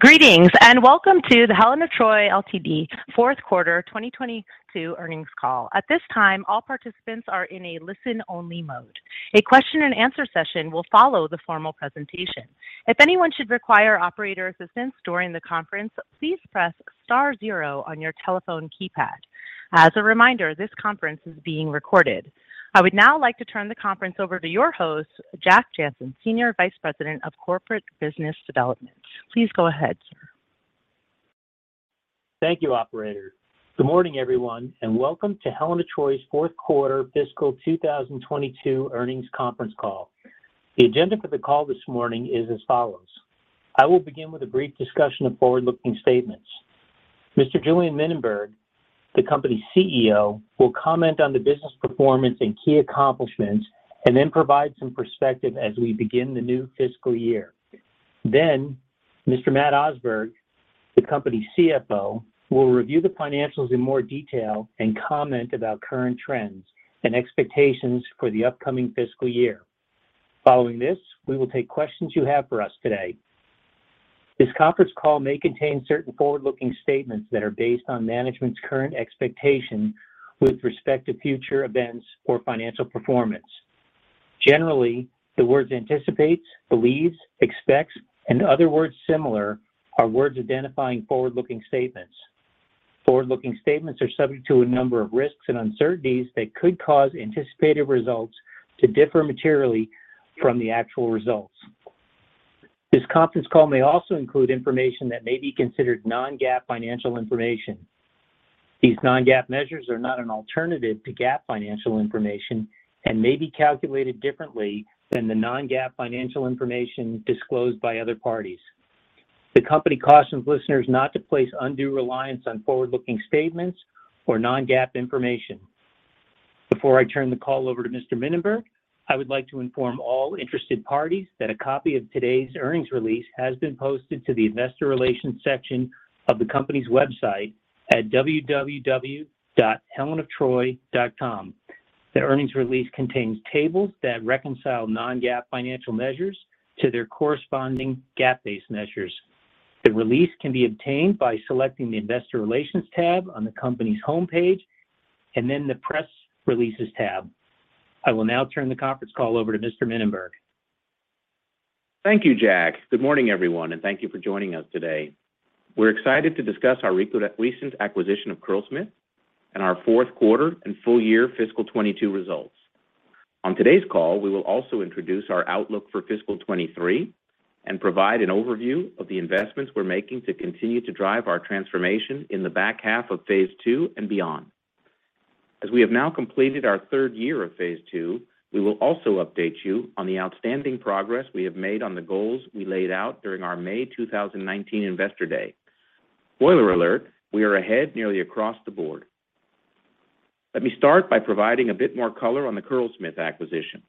Greetings and Welcome to the Helen of Troy Limited Q4 2022 earnings call. At this time, all participants are in a listen-only mode. A question-and-answer session will follow the formal presentation. If anyone should require operator assistance during the conference, please press star zero on your telephone keypad. As a reminder, this conference is being recorded. I would now like to turn the conference over to your host, Jack Jancin, Senior Vice President of Corporate Business Development. Please go ahead, sir. Thank you, operator. Good morning, everyone, and welcome to Helen of Troy's Q4 fiscal 2022 earnings conference call. The agenda for the call this morning is as follows: I will begin with a brief discussion of forward-looking statements. Mr. Julien Mininberg, the company's CEO, will comment on the business performance and key accomplishments and then provide some perspective as we begin the new fiscal year. Then Mr. Matt Osberg, the company's CFO will review the financials in more detail and comment about current trends and expectations for the upcoming fiscal year. Following this, we will take questions you have for us today. This conference call may contain certain forward-looking statements that are based on management's current expectation with respect to future events or financial performance. Generally, the words anticipates, believes, expects, and other words similar are words identifying forward-looking statements. Forward-looking statements are subject to a number of risks and uncertainties that could cause anticipated results to differ materially from the actual results. This conference call may also include information that may be considered non-GAAP financial information. These non-GAAP measures are not an alternative to GAAP financial information and may be calculated differently than the non-GAAP financial information disclosed by other parties. The company cautions listeners not to place undue reliance on forward-looking statements or non-GAAP information. Before I turn the call over to Mr. Mininberg, I would like to inform all interested parties that a copy of today's earnings release has been posted to the investor relations section of the company's website at www.helenoftroy.com. The earnings release contains tables that reconcile non-GAAP financial measures to their corresponding GAAP-based measures. The release can be obtained by selecting the Investor Relations tab on the company's homepage and then the Press Releases tab. I will now turn the conference call over to Mr. Mininberg. Thank you, Jack. Good morning, everyone and thank you for joining us today. We're excited to discuss our recent acquisition of Curlsmith and our Q4 and full year fiscal 2022 results. On today's call, we will also introduce our outlook for fiscal 2023 and provide an overview of the investments we're making to continue to drive our transformation in the back half of Phase II and beyond. As we have now completed our third year of Phase II, we will also update you on the outstanding progress we have made on the goals we laid out during our May 2019 investor day. Spoiler alert, we are ahead nearly across the board. Let me start by providing a bit more color on the Curlsmith acquisition.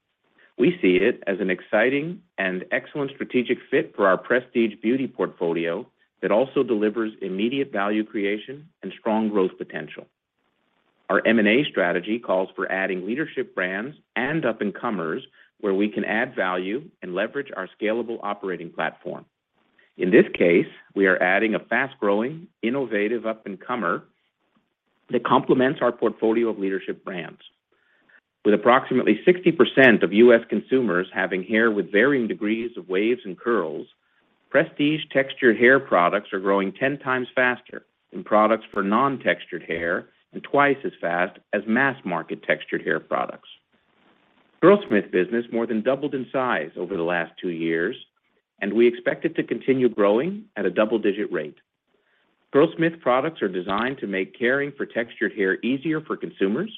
We see it as an exciting and excellent strategic fit for our prestige beauty portfolio that also delivers immediate value creation and strong growth potential. Our M&A strategy calls for adding leadership brands and up-and-comers where we can add value and leverage our scalable operating platform. In this case, we are adding a fast-growing, innovative up-and-comer that complements our portfolio of leadership brands. With approximately 60% of US consumers having hair with varying degrees of waves and curls, prestige textured hair products are growing 10 times faster than products for non-textured hair and twice as fast as mass market textured hair products. Curlsmith business more than doubled in size over the last 2 years, and we expect it to continue growing at a double-digit rate. Curlsmith products are designed to make caring for textured hair easier for consumers,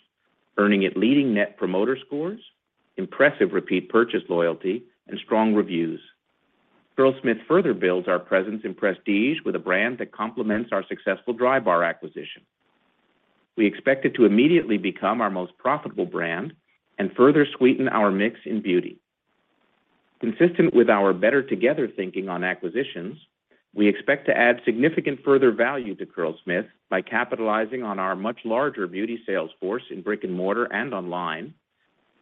earning it leading net promoter scores, impressive repeat purchase loyalty, and strong reviews. Curlsmith further builds our presence in prestige with a brand that complements our successful Drybar acquisition. We expect it to immediately become our most profitable brand and further sweeten our mix in beauty. Consistent with our better together thinking on acquisitions, we expect to add significant further value to Curlsmith by capitalizing on our much larger beauty sales force in brick-and-mortar and online,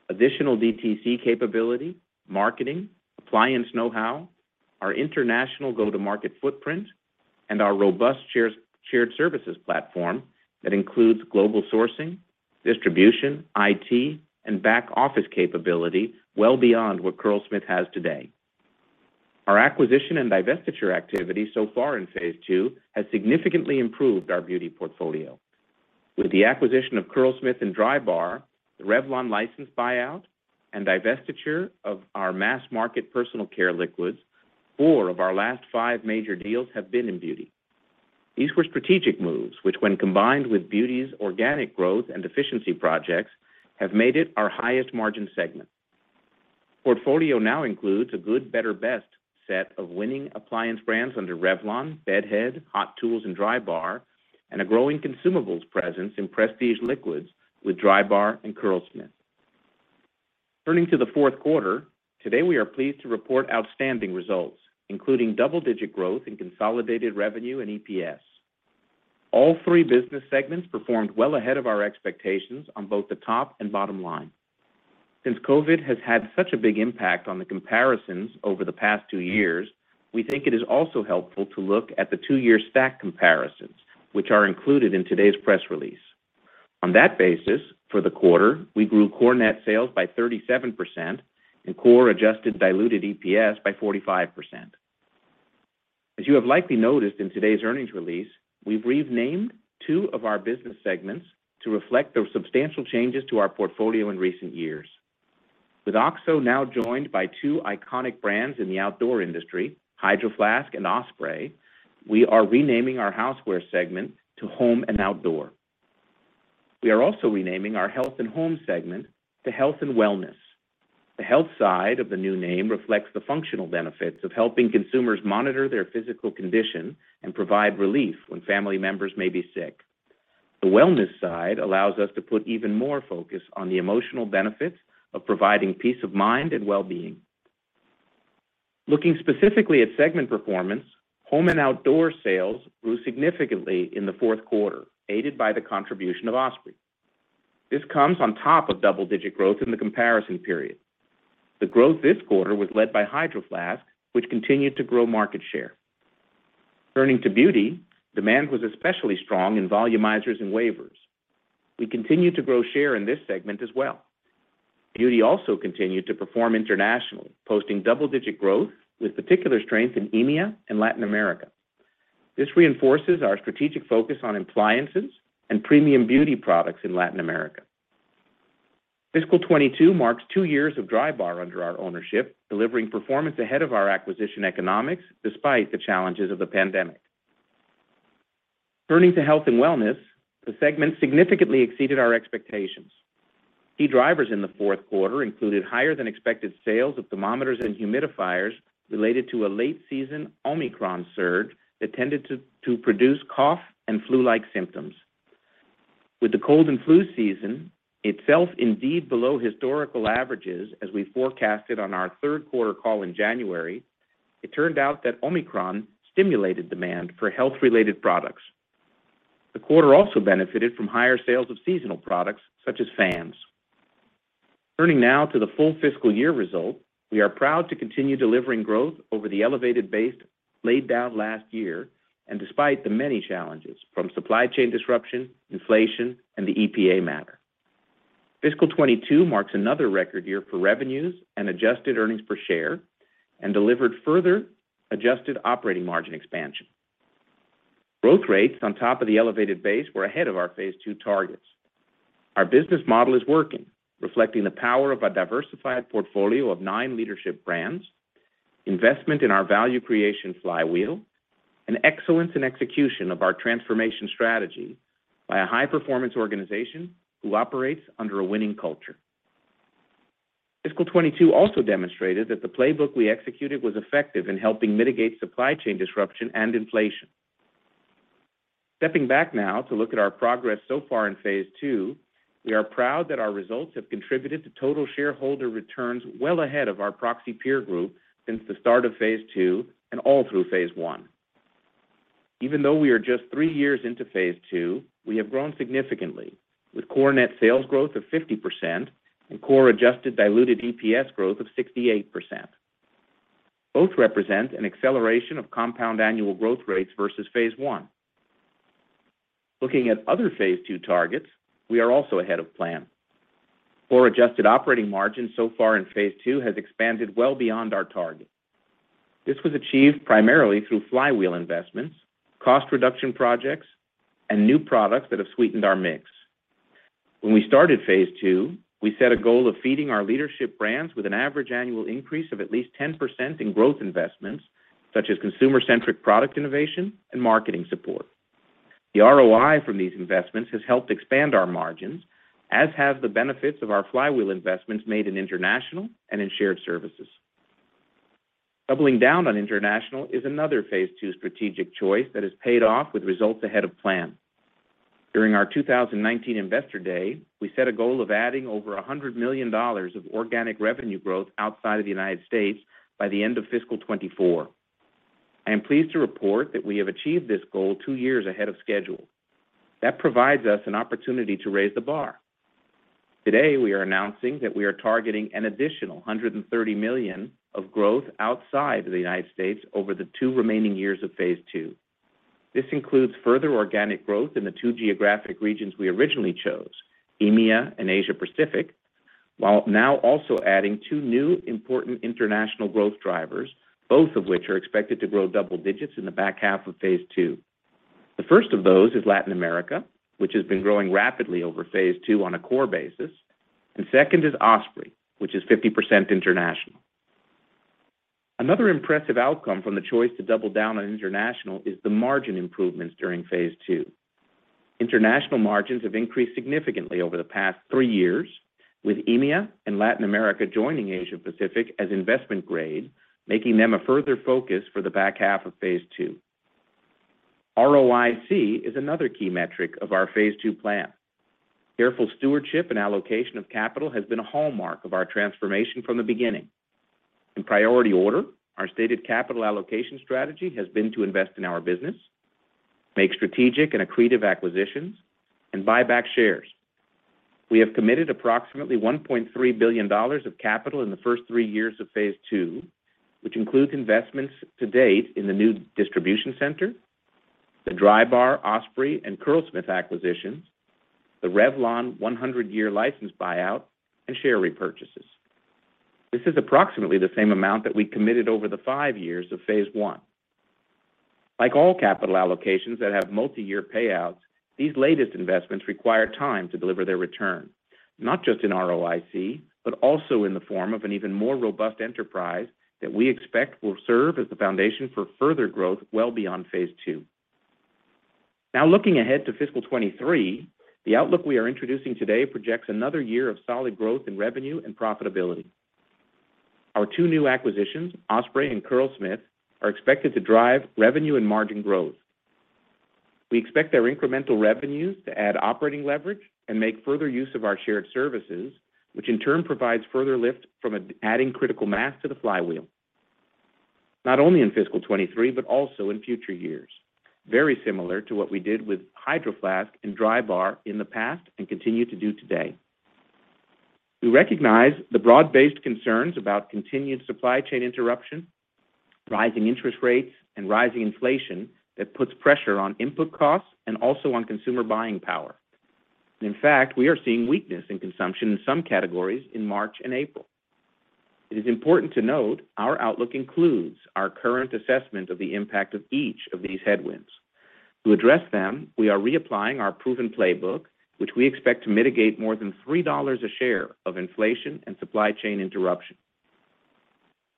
additional DTC capability, marketing, appliance know-how, our international go-to-market footprint, and our robust shared services platform that includes global sourcing, distribution, IT, and back-office capability well beyond what Curlsmith has today. Our acquisition and divestiture activity so far in Phase II has significantly improved our beauty portfolio. With the acquisition of Curlsmith and Drybar, the Revlon license buyout and divestiture of our mass market personal care liquids, four of our last five major deals have been in Beauty. These were strategic moves, which when combined with Beauty's organic growth and efficiency projects, have made it our highest margin segment. Portfolio now includes a good, better, best set of winning appliance brands under Revlon, Bed Head, Hot Tools, and Drybar, and a growing consumables presence in prestige liquids with Drybar and Curlsmith. Turning to the fourth quarter, today we are pleased to report outstanding results, including double-digit growth in consolidated revenue and EPS. All three business segments performed well ahead of our expectations on both the top and bottom line. Since COVID has had such a big impact on the comparisons over the past two years, we think it is also helpful to look at the two-year stack comparisons, which are included in today's press release. On that basis, for the quarter, we grew core net sales by 37% and core adjusted diluted EPS by 45%. As you have likely noticed in today's earnings release, we've renamed two of our business segments to reflect the substantial changes to our portfolio in recent years. With OXO now joined by two iconic brands in the outdoor industry, Hydro Flask and Osprey, we are renaming our housewares segment to Home and Outdoor. We are also renaming our Health and Home segment to Health and Wellness. The health side of the new name reflects the functional benefits of helping consumers monitor their physical condition and provide relief when family members may be sick. The wellness side allows us to put even more focus on the emotional benefits of providing peace of mind and well-being. Looking specifically at segment performance, Home and Outdoor sales grew significantly in the fourth quarter, aided by the contribution of Osprey. This comes on top of double-digit growth in the comparison period. The growth this quarter was led by Hydro Flask, which continued to grow market share. Turning to Beauty, demand was especially strong in volumizers and wavers. We continued to grow share in this segment as well. Beauty also continued to perform internationally, posting double-digit growth with particular strength in EMEA and Latin America. This reinforces our strategic focus on appliances and premium beauty products in Latin America. Fiscal 2022 marks 2 years of Drybar under our ownership, delivering performance ahead of our acquisition economics despite the challenges of the pandemic. Turning to Health and Wellness, the segment significantly exceeded our expectations. Key drivers in the fourth quarter included higher than expected sales of thermometers and humidifiers related to a late season Omicron surge that tended to produce cough and flu-like symptoms. With the cold and flu season itself indeed below historical averages, as we forecasted on our third quarter call in January, it turned out that Omicron stimulated demand for health-related products. The quarter also benefited from higher sales of seasonal products such as fans. Turning now to the full fiscal year result, we are proud to continue delivering growth over the elevated base laid down last year and despite the many challenges from supply chain disruption, inflation, and the EPA matter. Fiscal 2022 marks another record year for revenues and adjusted earnings per share and delivered further adjusted operating margin expansion. Growth rates on top of the elevated base were ahead of our Phase II targets. Our business model is working, reflecting the power of a diversified portfolio of nine leadership brands, investment in our value creation flywheel, and excellence in execution of our transformation strategy by a high-performance organization who operates under a winning culture. Fiscal 2022 also demonstrated that the playbook we executed was effective in helping mitigate supply chain disruption and inflation. Stepping back now to look at our progress so far in Phase II, we are proud that our results have contributed to total shareholder returns well ahead of our proxy peer group since the start of Phase II and all through Phase I. Even though we are just three years into Phase II, we have grown significantly with core net sales growth of 50% and core adjusted diluted EPS growth of 68%. Both represent an acceleration of compound annual growth rates versus Phase I. Looking at other Phase II targets, we are also ahead of plan. Core adjusted operating margin so far in Phase II has expanded well beyond our target. This was achieved primarily through flywheel investments, cost reduction projects, and new products that have sweetened our mix. When we started Phase II, we set a goal of feeding our leadership brands with an average annual increase of at least 10% in growth investments such as consumer-centric product innovation and marketing support. The ROI from these investments has helped expand our margins, as have the benefits of our flywheel investments made in international and in shared services. Doubling down on international is another Phase II strategic choice that has paid off with results ahead of plan. During our 2019 investor day, we set a goal of adding over $100 million of organic revenue growth outside of the United States by the end of fiscal 2024. I am pleased to report that we have achieved this goal 2 years ahead of schedule. That provides us an opportunity to raise the bar. Today, we are announcing that we are targeting an additional $130 million of growth outside of the United States over the 2 remaining years of Phase II. This includes further organic growth in the two geographic regions we originally chose, EMEA and Asia Pacific, while now also adding two new important international growth drivers, both of which are expected to grow double digits in the back half of Phase II. The first of those is Latin America, which has been growing rapidly over Phase II on a core basis. Second is Osprey, which is 50% international. Another impressive outcome from the choice to double down on international is the margin improvements during Phase II. International margins have increased significantly over the past three years, with EMEA and Latin America joining Asia Pacific as investment grade, making them a further focus for the back half of Phase II. ROIC is another key metric of our Phase II plan. Careful stewardship and allocation of capital has been a hallmark of our transformation from the beginning. In priority order, our stated capital allocation strategy has been to invest in our business, make strategic and accretive acquisitions, and buy back shares. We have committed approximately $1.3 billion of capital in the first 3 years of Phase II, which includes investments to date in the new distribution center, the Drybar, Osprey, and Curlsmith acquisitions, the Revlon 100-year license buyout, and share repurchases. This is approximately the same amount that we committed over the 5 years of Phase One. Like all capital allocations that have multi-year payouts, these latest investments require time to deliver their return, not just in ROIC, but also in the form of an even more robust enterprise that we expect will serve as the foundation for further growth well beyond Phase II. Now looking ahead to fiscal 2023, the outlook we are introducing today projects another year of solid growth in revenue and profitability. Our two new acquisitions, Osprey and Curlsmith, are expected to drive revenue and margin growth. We expect their incremental revenues to add operating leverage and make further use of our shared services, which in turn provides further lift from adding critical mass to the flywheel, not only in fiscal 2023, but also in future years, very similar to what we did with Hydro Flask and Drybar in the past and continue to do today. We recognize the broad-based concerns about continued supply chain interruption, rising interest rates, and rising inflation that puts pressure on input costs and also on consumer buying power. In fact, we are seeing weakness in consumption in some categories in March and April. It is important to note our outlook includes our current assessment of the impact of each of these headwinds. To address them, we are reapplying our proven playbook, which we expect to mitigate more than $3 a share of inflation and supply chain interruption.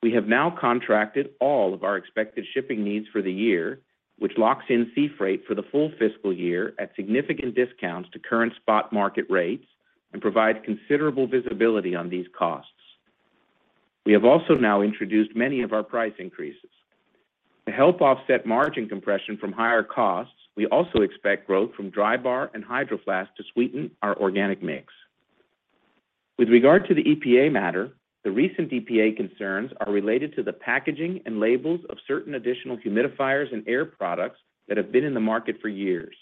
We have now contracted all of our expected shipping needs for the year, which locks in sea freight for the full fiscal year at significant discounts to current spot market rates and provides considerable visibility on these costs. We have also now introduced many of our price increases. To help offset margin compression from higher costs, we also expect growth from Drybar and Hydro Flask to sweeten our organic mix. With regard to the EPA matter, the recent EPA concerns are related to the packaging and labels of certain additional humidifiers and air products that have been in the market for years.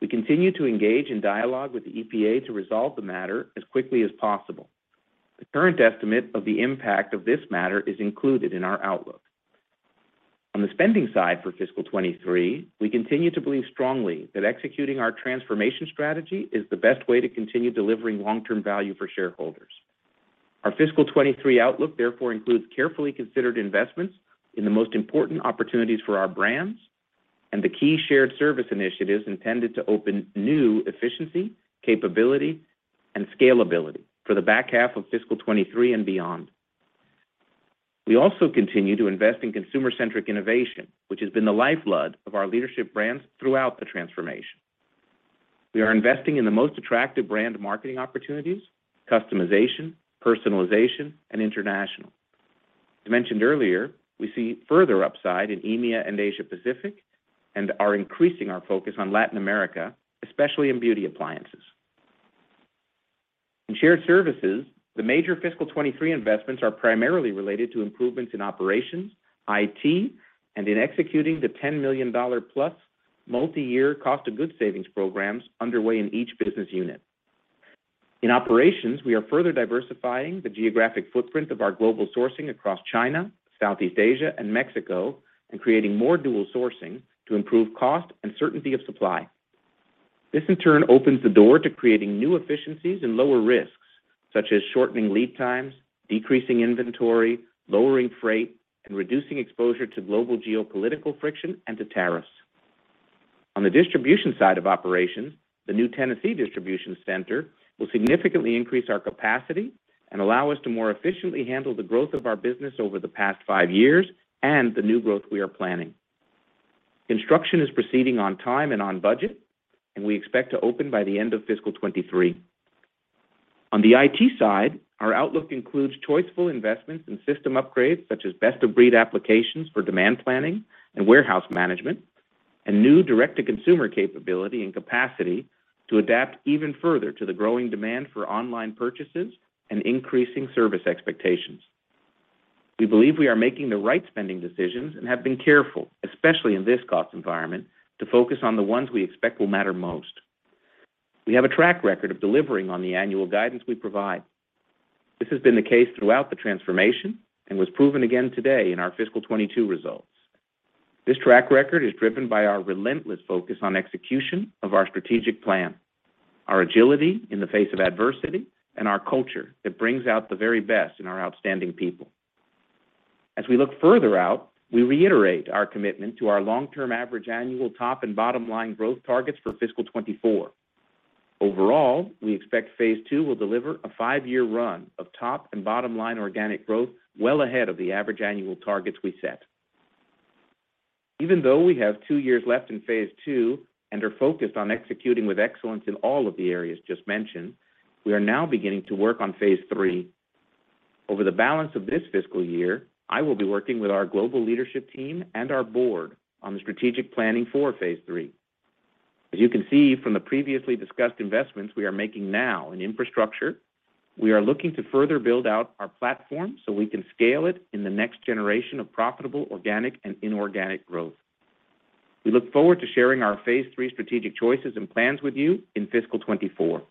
We continue to engage in dialogue with the EPA to resolve the matter as quickly as possible. The current estimate of the impact of this matter is included in our outlook. On the spending side for fiscal 2023, we continue to believe strongly that executing our transformation strategy is the best way to continue delivering long-term value for shareholders. Our fiscal 2023 outlook therefore includes carefully considered investments in the most important opportunities for our brands and the key shared service initiatives intended to open new efficiency, capability, and scalability for the back half of fiscal 2023 and beyond. We also continue to invest in consumer-centric innovation, which has been the lifeblood of our leadership brands throughout the transformation. We are investing in the most attractive brand marketing opportunities, customization, personalization, and international. As mentioned earlier, we see further upside in EMEA and Asia Pacific and are increasing our focus on Latin America, especially in beauty appliances. In shared services, the major fiscal 2023 investments are primarily related to improvements in operations, IT, and in executing the $10 million-plus multi-year cost of goods savings programs underway in each business unit. In operations, we are further diversifying the geographic footprint of our global sourcing across China, Southeast Asia, and Mexico, and creating more dual sourcing to improve cost and certainty of supply. This in turn opens the door to creating new efficiencies and lower risks, such as shortening lead times, decreasing inventory, lowering freight, and reducing exposure to global geopolitical friction and to tariffs. On the distribution side of operations, the new Tennessee distribution center will significantly increase our capacity and allow us to more efficiently handle the growth of our business over the past 5 years and the new growth we are planning. Construction is proceeding on time and on budget, and we expect to open by the end of fiscal 2023. On the IT side, our outlook includes choiceful investments in system upgrades, such as best-of-breed applications for demand planning and warehouse management, and new direct-to-consumer capability and capacity to adapt even further to the growing demand for online purchases and increasing service expectations. We believe we are making the right spending decisions and have been careful, especially in this cost environment, to focus on the ones we expect will matter most. We have a track record of delivering on the annual guidance we provide. This has been the case throughout the transformation and was proven again today in our fiscal 2022 results. This track record is driven by our relentless focus on execution of our strategic plan, our agility in the face of adversity, and our culture that brings out the very best in our outstanding people. As we look further out, we reiterate our commitment to our long-term average annual top and bottom-line growth targets for fiscal 2024. Overall, we expect Phase II will deliver a five-year run of top and bottom-line organic growth well ahead of the average annual targets we set. Even though we have two years left in Phase II and are focused on executing with excellence in all of the areas just mentioned, we are now beginning to work on Phase Three. Over the balance of this fiscal year, I will be working with our global leadership team and our board on the strategic planning for Phase Three. As you can see from the previously discussed investments we are making now in infrastructure, we are looking to further build out our platform so we can scale it in the next generation of profitable, organic and inorganic growth. We look forward to sharing our Phase Three strategic choices and plans with you in fiscal 2024.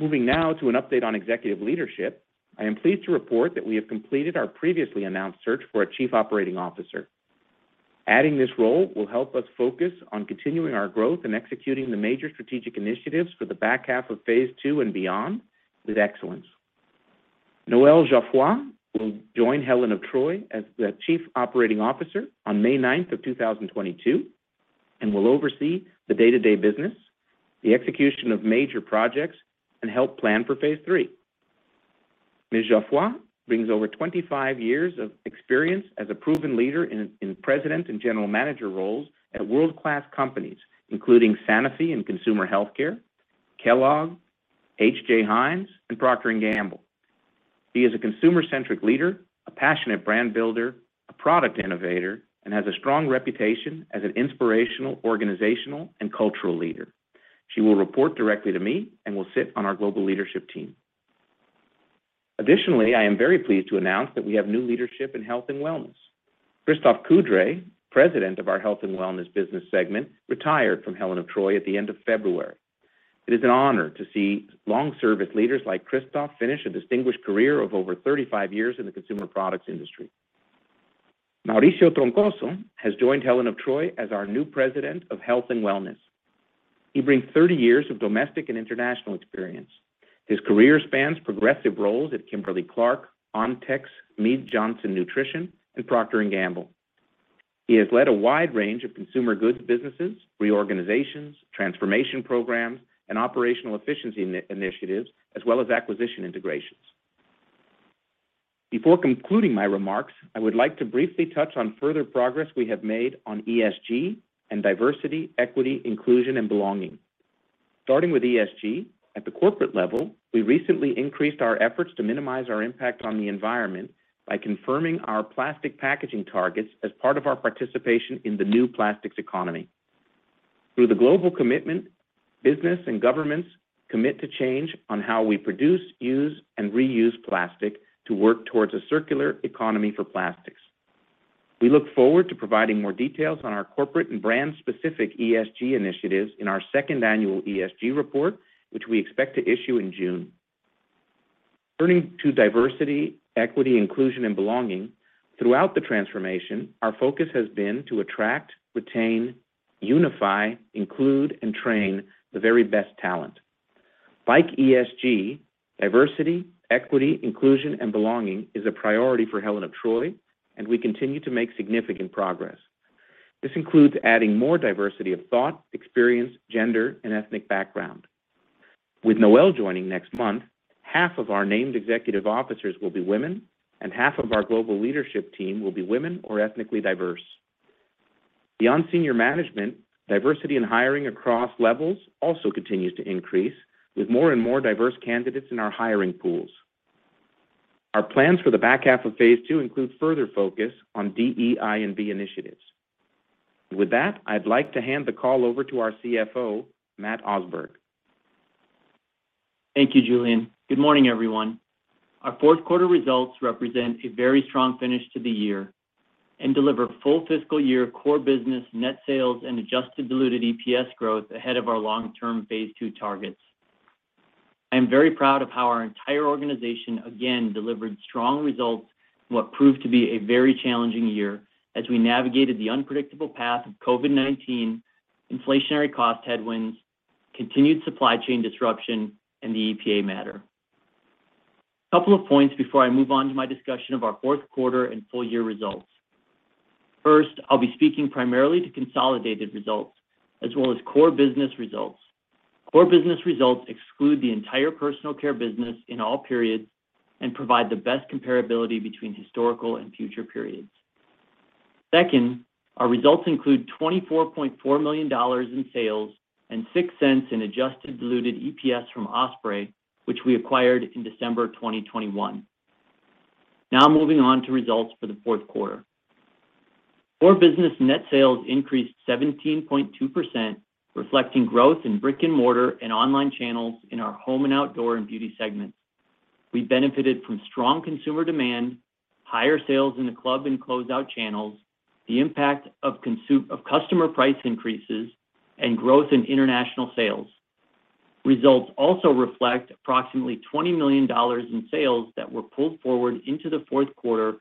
Moving now to an update on executive leadership, I am pleased to report that we have completed our previously announced search for a chief operating officer. Adding this role will help us focus on continuing our growth and executing the major strategic initiatives for the back half of Phase II and beyond with excellence. Noel Geoffroy will join Helen of Troy as the Chief Operating Officer on May ninth, 2022, and will oversee the day-to-day business, the execution of major projects, and help plan for phase three. Mr. Geoffroy brings over 25 years of experience as a proven leader in president and general manager roles at world-class companies, including Sanofi in consumer healthcare, Kellogg, H.J. Heinz, and Procter & Gamble. He is a consumer-centric leader, a passionate brand builder, a product innovator, and has a strong reputation as an inspirational organizational and cultural leader. He will report directly to me and will sit on our global leadership team. Additionally, I am very pleased to announce that we have new leadership in Health and Wellness. Christophe Coudray, President of our Health and Wellness business segment, retired from Helen of Troy at the end of February. It is an honor to see long service leaders like Christophe finish a distinguished career of over 35 years in the consumer products industry. Mauricio Troncoso has joined Helen of Troy as our new President of Health and Wellness. He brings 30 years of domestic and international experience. His career spans progressive roles at Kimberly-Clark, Ontex, Mead Johnson Nutrition, and Procter & Gamble. He has led a wide range of consumer goods businesses, reorganizations, transformation programs, and operational efficiency initiatives, as well as acquisition integrations. Before concluding my remarks, I would like to briefly touch on further progress we have made on ESG and diversity, equity, inclusion, and belonging. Starting with ESG, at the corporate level, we recently increased our efforts to minimize our impact on the environment by confirming our plastic packaging targets as part of our participation in the New Plastics Economy. Through the global commitment, business and governments commit to change on how we produce, use, and reuse plastic to work towards a circular economy for plastics. We look forward to providing more details on our corporate and brand-specific ESG initiatives in our second annual ESG report, which we expect to issue in June. Turning to diversity, equity, inclusion, and belonging, throughout the transformation, our focus has been to attract, retain, unify, include, and train the very best talent. Like ESG, diversity, equity, inclusion, and belonging is a priority for Helen of Troy, and we continue to make significant progress. This includes adding more diversity of thought, experience, gender, and ethnic background. With Noel joining next month, half of our named executive officers will be women, and half of our global leadership team will be women or ethnically diverse. Beyond senior management, diversity in hiring across levels also continues to increase, with more and more diverse candidates in our hiring pools. Our plans for the back half of phase II include further focus on DEIB initiatives. With that, I'd like to hand the call over to our CFO, Matt Osberg. Thank you, Julien. Good morning, everyone. Our fourth quarter results represent a very strong finish to the year and deliver full fiscal year core business net sales and adjusted diluted EPS growth ahead of our long-term Phase II targets. I am very proud of how our entire organization again delivered strong results in what proved to be a very challenging year as we navigated the unpredictable path of COVID-19, inflationary cost headwinds, continued supply chain disruption, and the EPA matter. A couple of points before I move on to my discussion of our fourth quarter and full year results. First, I'll be speaking primarily to consolidated results as well as core business results. Core business results exclude the entire personal care business in all periods and provide the best comparability between historical and future periods. Second, our results include $24.4 million in sales and $0.06 in adjusted diluted EPS from Osprey, which we acquired in December 2021. Now moving on to results for the fourth quarter. Core business net sales increased 17.2%, reflecting growth in brick and mortar and online channels in our Home and Outdoor and Beauty segments. We benefited from strong consumer demand, higher sales in the club and closeout channels, the impact of customer price increases, and growth in international sales. Results also reflect approximately $20 million in sales that were pulled forward into the fourth quarter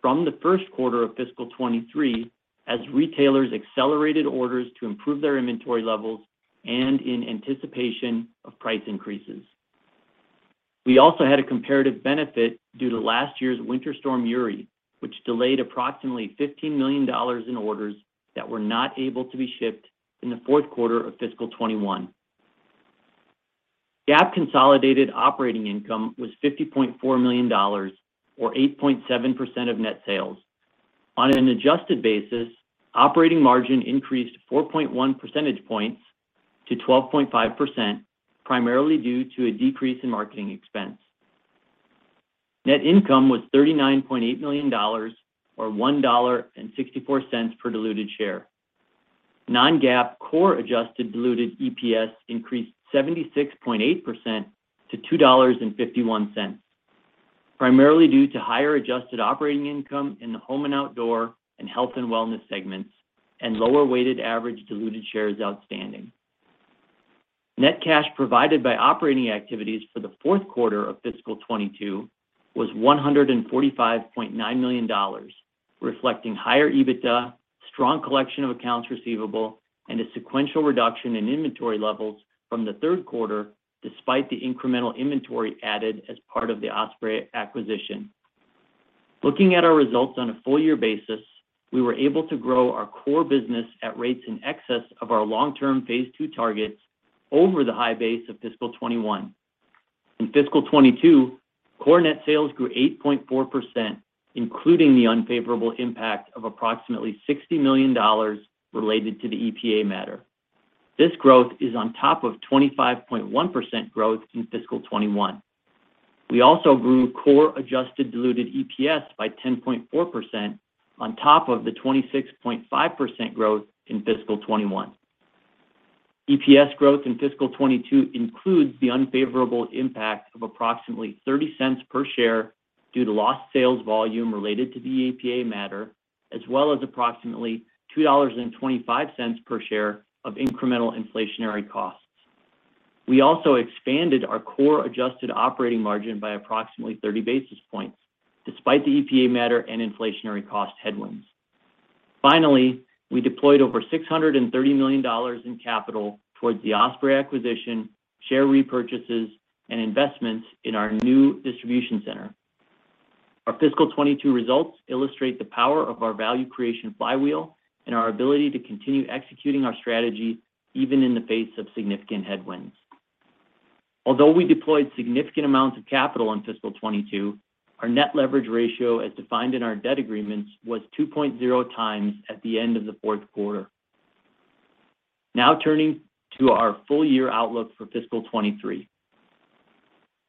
from the first quarter of fiscal 2023 as retailers accelerated orders to improve their inventory levels and in anticipation of price increases. We also had a comparative benefit due to last year's Winter Storm Uri, which delayed approximately $15 million in orders that were not able to be shipped in the fourth quarter of fiscal 2021. GAAP consolidated operating income was $50.4 million, or 8.7% of net sales. On an adjusted basis, operating margin increased 4.1 percentage points to 12.5%, primarily due to a decrease in marketing expense. Net income was $39.8 million or $1.64 per diluted share. Non-GAAP core adjusted diluted EPS increased 76.8% to $2.51, primarily due to higher adjusted operating income in the Home and Outdoor and Health and Wellness segments and lower weighted average diluted shares outstanding. Net cash provided by operating activities for the fourth quarter of fiscal 2022 was $145.9 million, reflecting higher EBITDA, strong collection of accounts receivable, and a sequential reduction in inventory levels from the third quarter despite the incremental inventory added as part of the Osprey acquisition. Looking at our results on a full year basis, we were able to grow our core business at rates in excess of our long-term Phase II targets over the high base of fiscal 2021. In fiscal 2022, core net sales grew 8.4%, including the unfavorable impact of approximately $60 million related to the EPA matter. This growth is on top of 25.1% growth in fiscal 2021. We also grew core adjusted diluted EPS by 10.4% on top of the 26.5% growth in fiscal 2021. EPS growth in fiscal 2022 includes the unfavorable impact of approximately $0.30 per share due to lost sales volume related to the EPA matter, as well as approximately $2.25 per share of incremental inflationary costs. We also expanded our core adjusted operating margin by approximately 30 basis points despite the EPA matter and inflationary cost headwinds. Finally, we deployed over $630 million in capital towards the Osprey acquisition, share repurchases, and investments in our new distribution center. Our fiscal 2022 results illustrate the power of our value creation flywheel and our ability to continue executing our strategy even in the face of significant headwinds. Although we deployed significant amounts of capital in fiscal 2022, our net leverage ratio as defined in our debt agreements was 2.0 times at the end of the fourth quarter. Now turning to our full year outlook for fiscal 2023.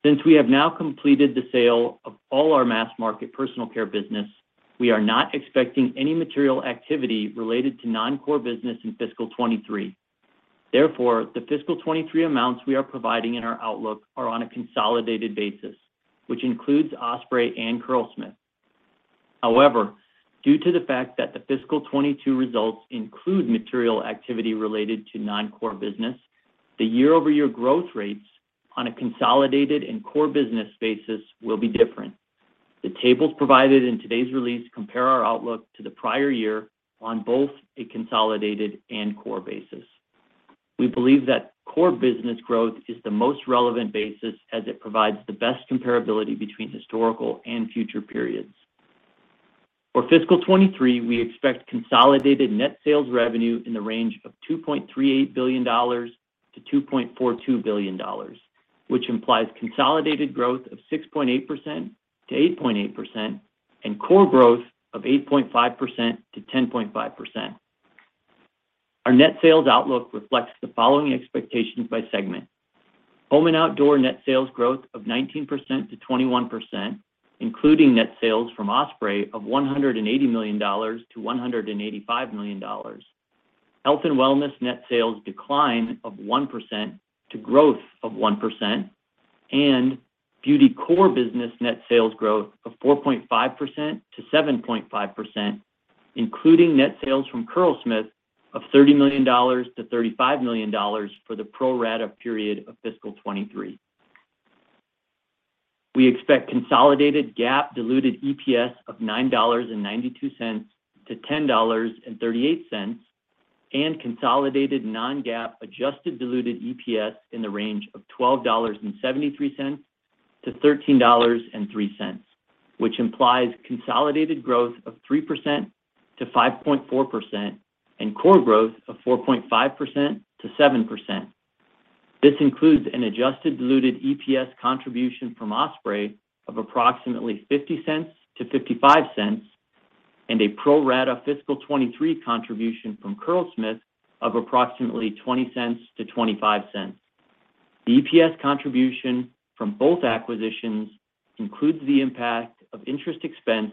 Since we have now completed the sale of all our mass market personal care business, we are not expecting any material activity related to non-core business in fiscal 2023. Therefore, the fiscal 2023 amounts we are providing in our outlook are on a consolidated basis, which includes Osprey and Curlsmith. However, due to the fact that the fiscal 2022 results include material activity related to non-core business, the year-over-year growth rates on a consolidated and core business basis will be different. The tables provided in today's release compare our outlook to the prior year on both a consolidated and core basis. We believe that core business growth is the most relevant basis as it provides the best comparability between historical and future periods. For fiscal 2023, we expect consolidated net sales revenue in the range of $2.38 billion-$2.42 billion, which implies consolidated growth of 6.8%-8.8% and core growth of 8.5%-10.5%. Our net sales outlook reflects the following expectations by segment. Home and Outdoor net sales growth of 19%-21%, including net sales from Osprey of $180 million-$185 million. Health and Wellness net sales decline of 1% to growth of 1%. Beauty core business net sales growth of 4.5%-7.5%, including net sales from Curlsmith of $30 million-$35 million for the pro rata period of fiscal 2023. We expect consolidated GAAP diluted EPS of $9.92-$10.38 and consolidated non-GAAP adjusted diluted EPS in the range of $12.73-$13.03, which implies consolidated growth of 3%-5.4% and core growth of 4.5%-7%. This includes an adjusted diluted EPS contribution from Osprey of approximately $0.50-$0.55 and a pro rata fiscal 2023 contribution from Curlsmith of approximately $0.20-$0.25. The EPS contribution from both acquisitions includes the impact of interest expense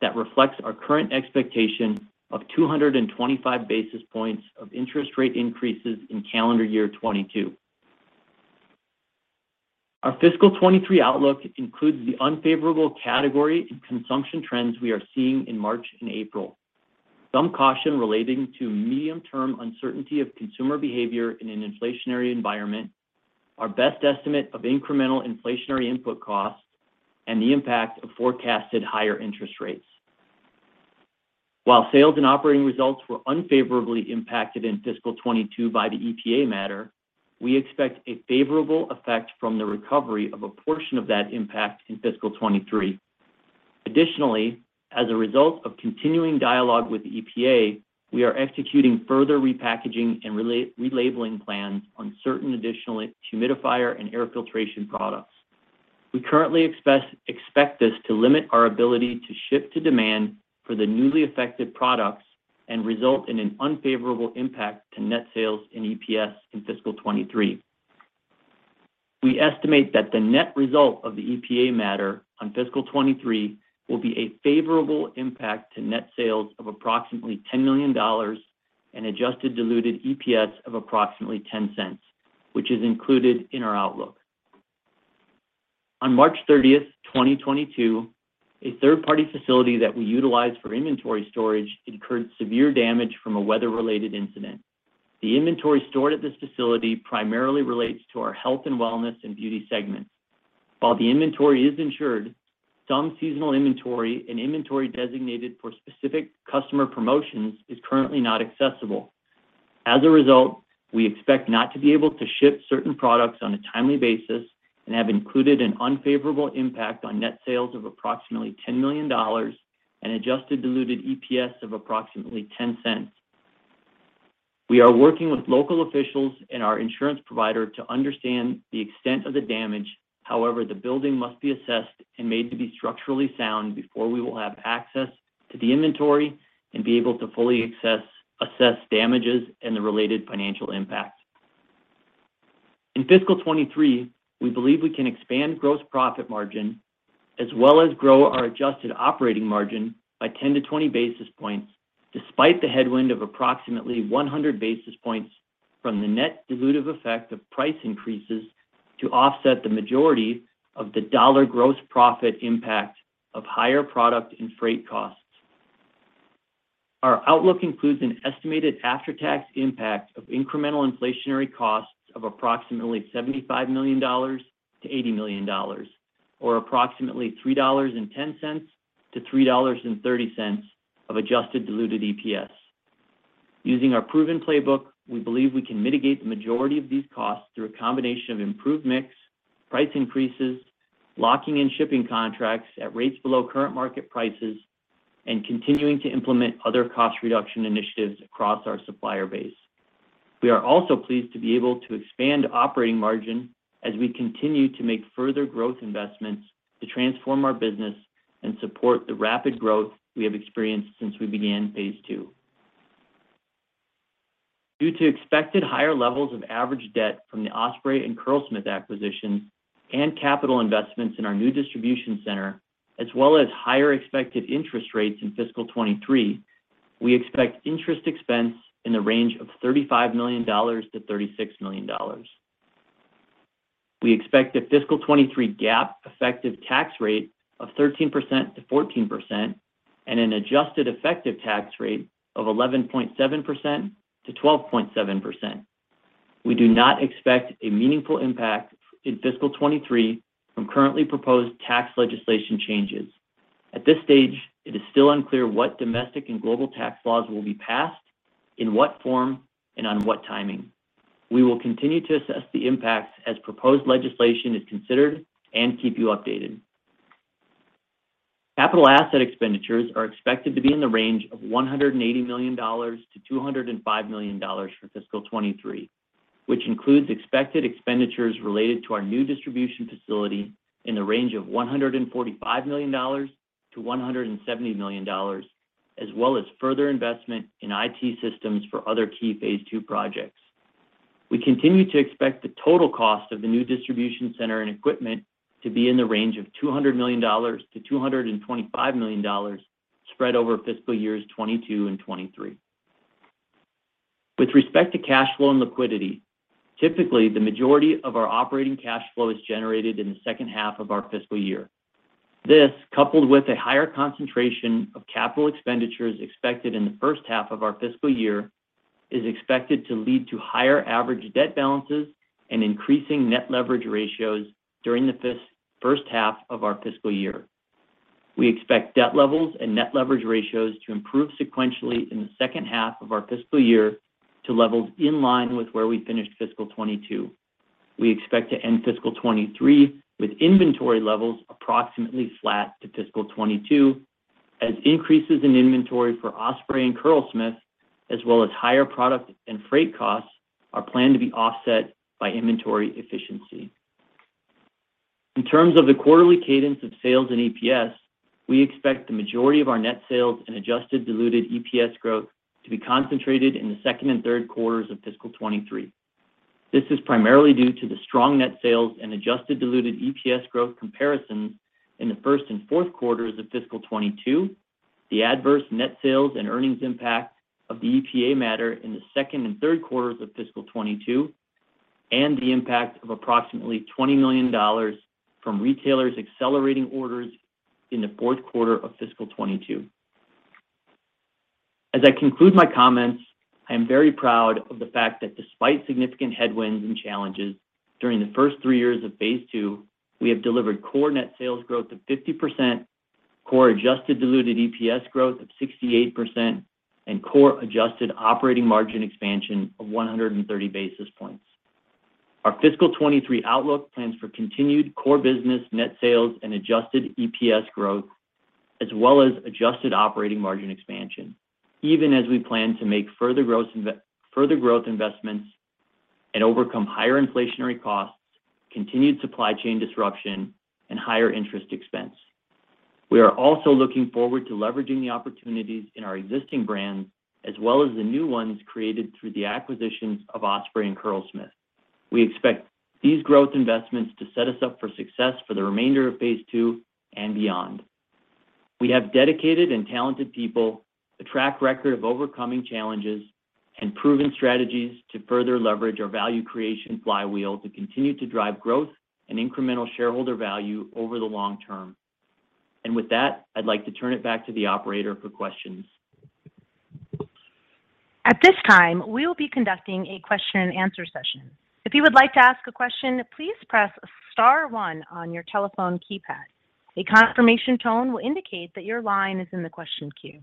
that reflects our current expectation of 225 basis points of interest rate increases in calendar year 2022. Our fiscal 2023 outlook includes the unfavorable category and consumption trends we are seeing in March and April. Some caution relating to medium-term uncertainty of consumer behavior in an inflationary environment, our best estimate of incremental inflationary input costs, and the impact of forecasted higher interest rates. While sales and operating results were unfavorably impacted in fiscal 2022 by the EPA matter, we expect a favorable effect from the recovery of a portion of that impact in fiscal 2023. Additionally, as a result of continuing dialogue with EPA, we are executing further repackaging and relabeling plans on certain additional humidifier and air filtration products. We currently expect this to limit our ability to ship to demand for the newly affected products and result in an unfavorable impact to net sales in EPS in fiscal 2023. We estimate that the net result of the EPA matter on fiscal 2023 will be a favorable impact to net sales of approximately $10 million and adjusted diluted EPS of approximately $0.10, which is included in our outlook. On March 30, 2022, a third-party facility that we utilize for inventory storage incurred severe damage from a weather-related incident. The inventory stored at this facility primarily relates to our Health and Wellness and Beauty segment. While the inventory is insured, some seasonal inventory and inventory designated for specific customer promotions is currently not accessible. As a result, we expect not to be able to ship certain products on a timely basis and have included an unfavorable impact on net sales of approximately $10 million and adjusted diluted EPS of approximately $0.10. We are working with local officials and our insurance provider to understand the extent of the damage. However, the building must be assessed and made to be structurally sound before we will have access to the inventory and be able to assess damages and the related financial impact. In fiscal 2023, we believe we can expand gross profit margin as well as grow our adjusted operating margin by 10-20 basis points despite the headwind of approximately 100 basis points from the net dilutive effect of price increases to offset the majority of the dollar gross profit impact of higher product and freight costs. Our outlook includes an estimated after-tax impact of incremental inflationary costs of approximately $75 million-$80 million, or approximately $3.10-$3.30 of adjusted diluted EPS. Using our proven playbook, we believe we can mitigate the majority of these costs through a combination of improved mix, price increases, locking in shipping contracts at rates below current market prices, and continuing to implement other cost reduction initiatives across our supplier base. We are also pleased to be able to expand operating margin as we continue to make further growth investments to transform our business and support the rapid growth we have experienced since we began Phase II. Due to expected higher levels of average debt from the Osprey and Curlsmith acquisitions and capital investments in our new distribution center, as well as higher expected interest rates in fiscal 2023, we expect interest expense in the range of $35 million-$36 million. We expect a fiscal 2023 GAAP effective tax rate of 13%-14% and an adjusted effective tax rate of 11.7%-12.7%. We do not expect a meaningful impact in fiscal 2023 from currently proposed tax legislation changes. At this stage, it is still unclear what domestic and global tax laws will be passed, in what form, and on what timing. We will continue to assess the impacts as proposed legislation is considered and keep you updated. Capital asset expenditures are expected to be in the range of $180 million-$205 million for fiscal 2023, which includes expected expenditures related to our new distribution facility in the range of $145 million-$170 million, as well as further investment in IT systems for other key Phase II projects. We continue to expect the total cost of the new distribution center and equipment to be in the range of $200 million-$225 million spread over fiscal years 2022 and 2023. With respect to cash flow and liquidity, typically the majority of our operating cash flow is generated in the second half of our fiscal year. This, coupled with a higher concentration of capital expenditures expected in the first half of our fiscal year, is expected to lead to higher average debt balances and increasing net leverage ratios during the first half of our fiscal year. We expect debt levels and net leverage ratios to improve sequentially in the second half of our fiscal year to levels in line with where we finished fiscal 2022. We expect to end fiscal 2023 with inventory levels approximately flat to fiscal 2022 as increases in inventory for Osprey and Curlsmith, as well as higher product and freight costs, are planned to be offset by inventory efficiency. In terms of the quarterly cadence of sales and EPS, we expect the majority of our net sales and adjusted diluted EPS growth to be concentrated in the second and third quarters of fiscal 2023. This is primarily due to the strong net sales and adjusted diluted EPS growth comparisons in the first and fourth quarters of fiscal 2022, the adverse net sales and earnings impact of the EPA matter in the second and third quarters of fiscal 2022, and the impact of approximately $20 million from retailers accelerating orders in the fourth quarter of fiscal 2022. As I conclude my comments, I am very proud of the fact that despite significant headwinds and challenges during the first three years of phase II, we have delivered core net sales growth of 50%, core adjusted diluted EPS growth of 68%, and core adjusted operating margin expansion of 130 basis points. Our fiscal 2023 outlook plans for continued core business net sales and adjusted EPS growth, as well as adjusted operating margin expansion, even as we plan to make further growth investments. Overcome higher inflationary costs, continued supply chain disruption, and higher interest expense. We are also looking forward to leveraging the opportunities in our existing brands as well as the new ones created through the acquisitions of Osprey and Curlsmith. We expect these growth investments to set us up for success for the remainder of phase II and beyond. We have dedicated and talented people, a track record of overcoming challenges, and proven strategies to further leverage our value creation flywheel to continue to drive growth and incremental shareholder value over the long term. With that, I'd like to turn it back to the operator for questions. At this time, we will be conducting a question and answer session. If you would like to ask a question, please press star one on your telephone keypad. A confirmation tone will indicate that your line is in the question queue.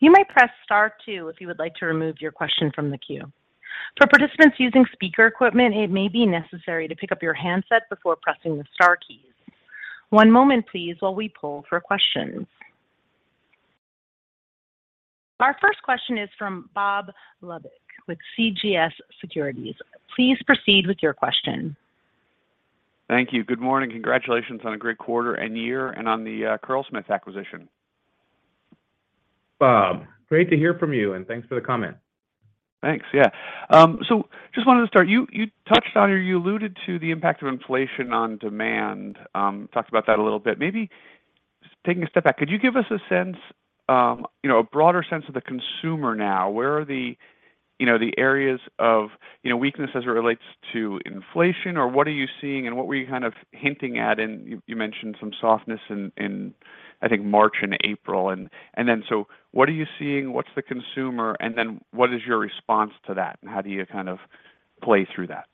You may press star two if you would like to remove your question from the queue. For participants using speaker equipment, it may be necessary to pick up your handset before pressing the star keys. One moment, please, while we poll for questions. Our first question is from Robert Labick with CJS Securities. Please proceed with your question. Thank you. Good morning. Congratulations on a great quarter and year and on the Curlsmith acquisition. Bob, great to hear from you, and thanks for the comment. Thanks. Yeah. Just wanted to start, you touched on or you alluded to the impact of inflation on demand, talked about that a little bit. Maybe taking a step back, could you give us a sense, you know, a broader sense of the consumer now? Where are the, you know, areas of, you know, weakness as it relates to inflation, or what are you seeing and what were you kind of hinting at? You mentioned some softness in, I think, March and April. So what are you seeing? What's the consumer? What is your response to that, and how do you kind of play through that?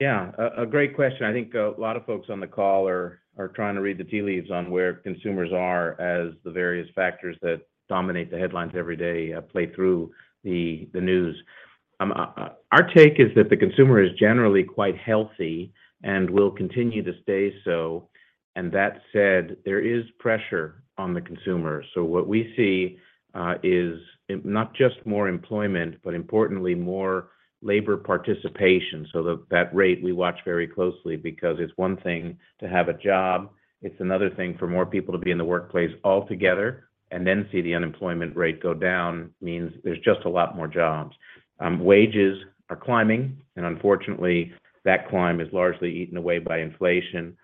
Yeah, a great question. I think a lot of folks on the call are trying to read the tea leaves on where consumers are as the various factors that dominate the headlines every day play through the news. Our take is that the consumer is generally quite healthy and will continue to stay so. That said, there is pressure on the consumer. What we see is not just more employment, but importantly, more labor participation. That rate we watch very closely because it's one thing to have a job, it's another thing for more people to be in the workplace altogether and then see the unemployment rate go down means there's just a lot more jobs. Wages are climbing, and unfortunately, that climb is largely eaten away by inflation,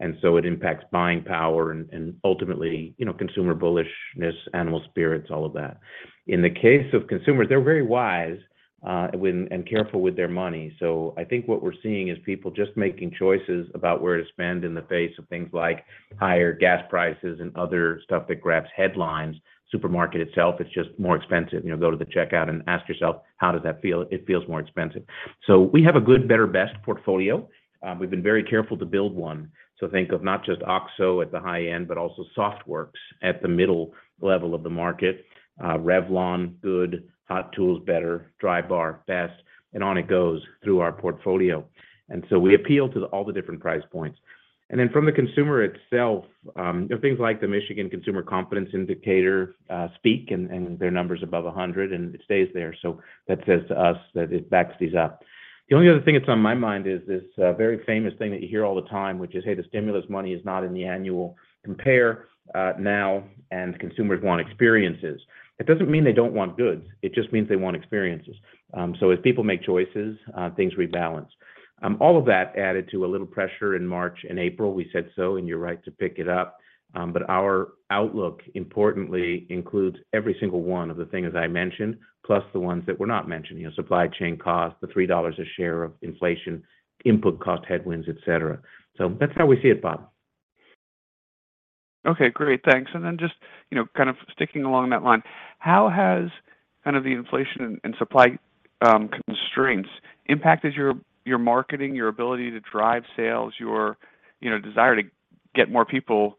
and so it impacts buying power and ultimately, you know, consumer bullishness, animal spirits, all of that. In the case of consumers, they're very wise and careful with their money. I think what we're seeing is people just making choices about where to spend in the face of things like higher gas prices and other stuff that grabs headlines. Supermarket itself, it's just more expensive. You know, go to the checkout and ask yourself, how does that feel? It feels more expensive. We have a good, better, best portfolio. We've been very careful to build one. Think of not just OXO at the high end, but also OXO SoftWorks at the middle level of the market. Revlon, good. Hot Tools, better. Drybar, best. On it goes through our portfolio. We appeal to all the different price points. From the consumer itself, you know, things like the Michigan Consumer Sentiment Index speak to, and their numbers above 100, and it stays there. That says to us that it backs these up. The only other thing that's on my mind is this, very famous thing that you hear all the time, which is, hey, the stimulus money is not in the annual compare, now, and consumers want experiences. It doesn't mean they don't want goods, it just means they want experiences. As people make choices, things rebalance. All of that added to a little pressure in March and April. We said so, and you're right to pick it up. Our outlook importantly includes every single one of the things I mentioned, plus the ones that were not mentioned, you know, supply chain costs, the $3 a share of inflation, input cost headwinds, et cetera. That's how we see it, Bob. Okay, great. Thanks. Then just, you know, kind of sticking along that line, how has kind of the inflation and supply constraints impacted your marketing, your ability to drive sales, your desire to get more people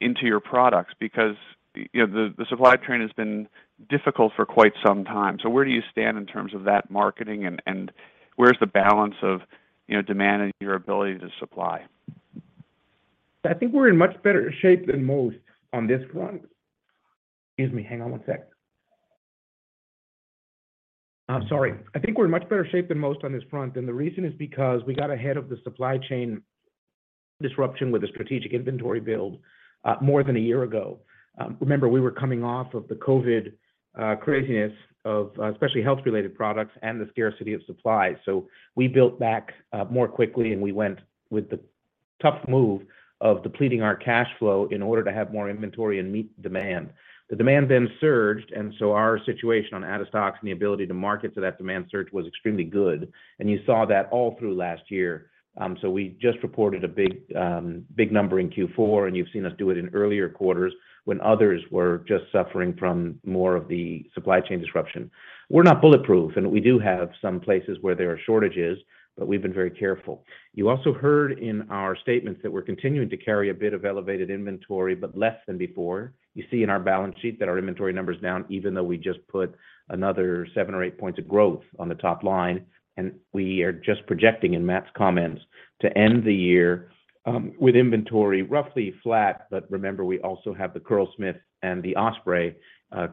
into your products? Because you know, the supply chain has been difficult for quite some time. So where do you stand in terms of that marketing and where's the balance of, you know, demand and your ability to supply? I think we're in much better shape than most on this front, and the reason is because we got ahead of the supply chain disruption with a strategic inventory build, more than a year ago. Remember, we were coming off of the COVID craziness of especially health-related products and the scarcity of supply. We built back more quickly, and we went with the tough move of depleting our cash flow in order to have more inventory and meet demand. The demand then surged, and so our situation on out of stocks and the ability to market to that demand surge was extremely good. You saw that all through last year. We just reported a big number in Q4, and you've seen us do it in earlier quarters when others were just suffering from more of the supply chain disruption. We're not bulletproof, and we do have some places where there are shortages, but we've been very careful. You also heard in our statements that we're continuing to carry a bit of elevated inventory, but less than before. You see in our balance sheet that our inventory number's down, even though we just put another 7%-8% of growth on the top line, and we are just projecting in Matt's comments to end the year with inventory roughly flat. Remember, we also have the Curlsmith and the Osprey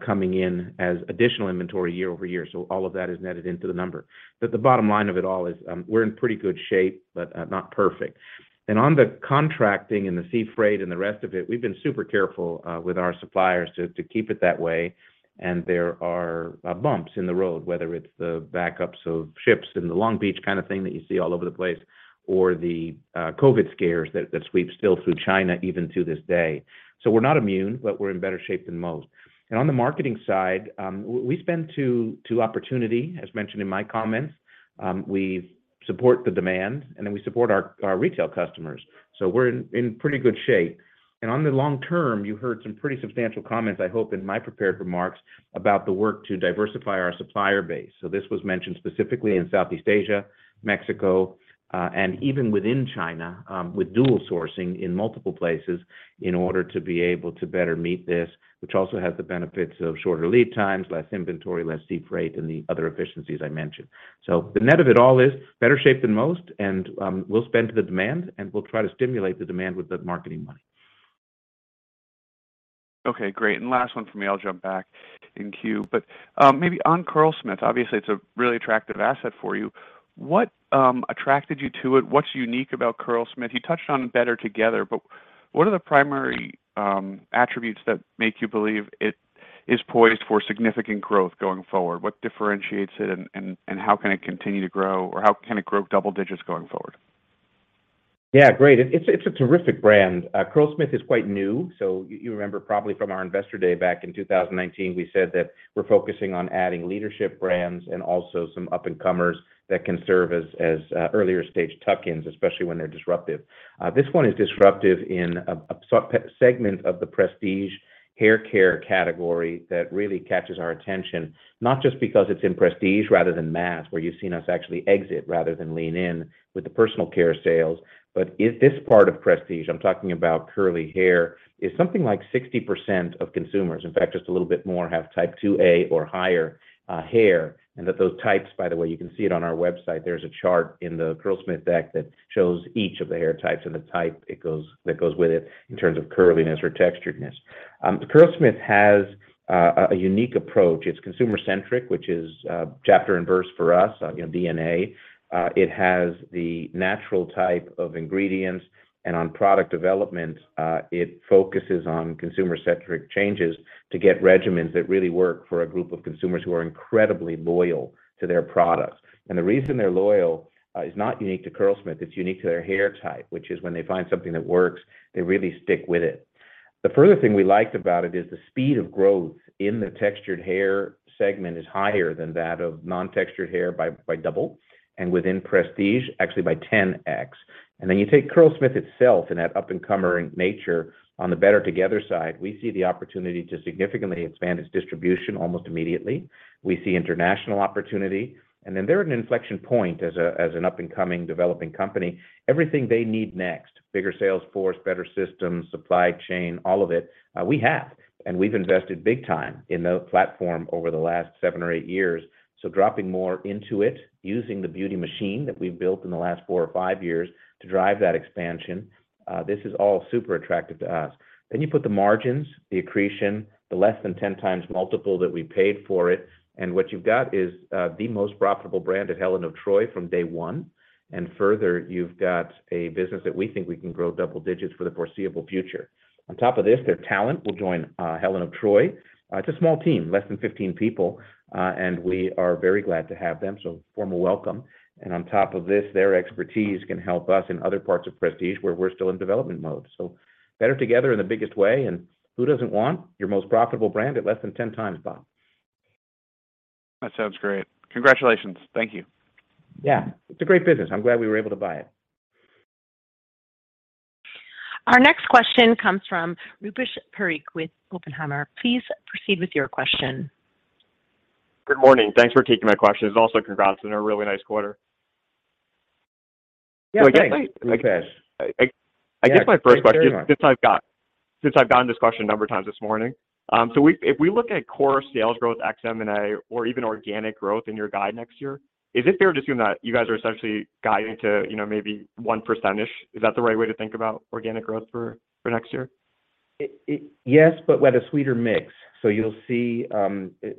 coming in as additional inventory year over year. All of that is netted into the number. The bottom line of it all is, we're in pretty good shape, but not perfect. On the contracting and the sea freight and the rest of it, we've been super careful with our suppliers to keep it that way, and there are bumps in the road, whether it's the backups of ships in the Long Beach kind of thing that you see all over the place or the COVID scares that sweep still through China even to this day. We're not immune, but we're in better shape than most. On the marketing side, we spend to opportunity, as mentioned in my comments. We support the demand, and then we support our retail customers. We're in pretty good shape. On the long term, you heard some pretty substantial comments, I hope, in my prepared remarks about the work to diversify our supplier base. This was mentioned specifically in Southeast Asia, Mexico, and even within China, with dual sourcing in multiple places in order to be able to better meet this, which also has the benefits of shorter lead times, less inventory, less sea freight, and the other efficiencies I mentioned. The net of it all is better shape than most, and we'll spend to the demand, and we'll try to stimulate the demand with the marketing money. Okay, great. Last one from me, I'll jump back in queue. Maybe on Curlsmith, obviously it's a really attractive asset for you. What attracted you to it? What's unique about Curlsmith? You touched on Better Together, but what are the primary attributes that make you believe it is poised for significant growth going forward? What differentiates it and how can it continue to grow, or how can it grow double digits going forward? Yeah, great. It's a terrific brand. Curlsmith is quite new, so you remember probably from our investor day back in 2019, we said that we're focusing on adding leadership brands and also some up-and-comers that can serve as earlier stage tuck-ins, especially when they're disruptive. This one is disruptive in a segment of the prestige hair care category that really catches our attention, not just because it's in prestige rather than mass, where you've seen us actually exit rather than lean in with the personal care sales. In this part of prestige, I'm talking about curly hair, is something like 60% of consumers, in fact just a little bit more, have type 2A or higher, hair, and those types, by the way, you can see it on our website, there's a chart in the Curlsmith deck that shows each of the hair types and the type that goes with it in terms of curliness or texturedness. Curlsmith has a unique approach. It's consumer-centric, which is, chapter and verse for us, you know, DNA. It has the natural type of ingredients, and on product development, it focuses on consumer-centric changes to get regimens that really work for a group of consumers who are incredibly loyal to their products. The reason they're loyal is not unique to Curlsmith, it's unique to their hair type, which is when they find something that works, they really stick with it. The further thing we liked about it is the speed of growth in the textured hair segment is higher than that of non-textured hair by double, and within prestige, actually by 10x. Then you take Curlsmith itself and that up-and-comer nature on the Better Together side, we see the opportunity to significantly expand its distribution almost immediately. We see international opportunity, and then they're at an inflection point as an up-and-coming developing company. Everything they need next, bigger sales force, better systems, supply chain, all of it, we have, and we've invested big time in the platform over the last seven or eight years. Dropping more into it, using the beauty machine that we've built in the last four or five years to drive that expansion, this is all super attractive to us. You put the margins, the accretion, the less than 10x multiple that we paid for it, and what you've got is, the most profitable brand at Helen of Troy from day one. Further, you've got a business that we think we can grow double digits for the foreseeable future. On top of this, their talent will join Helen of Troy. It's a small team, less than 15 people, and we are very glad to have them. Formal welcome. On top of this, their expertise can help us in other parts of prestige where we're still in development mode. Better Together in the biggest way, and who doesn't want your most profitable brand at less than 10x, Bob? That sounds great. Congratulations. Thank you. Yeah. It's a great business. I'm glad we were able to buy it. Our next question comes from Rupesh Parikh with Oppenheimer. Please proceed with your question. Good morning. Thanks for taking my question. Also, congrats on a really nice quarter. Yeah, thanks, Rupesh. I guess my first question, since I've gotten this question a number of times this morning. If we look at core sales growth ex M&A or even organic growth in your guide next year, is it fair to assume that you guys are essentially guiding to, you know, maybe 1%? Is that the right way to think about organic growth for next year? Yes, but with a sweeter mix. You'll see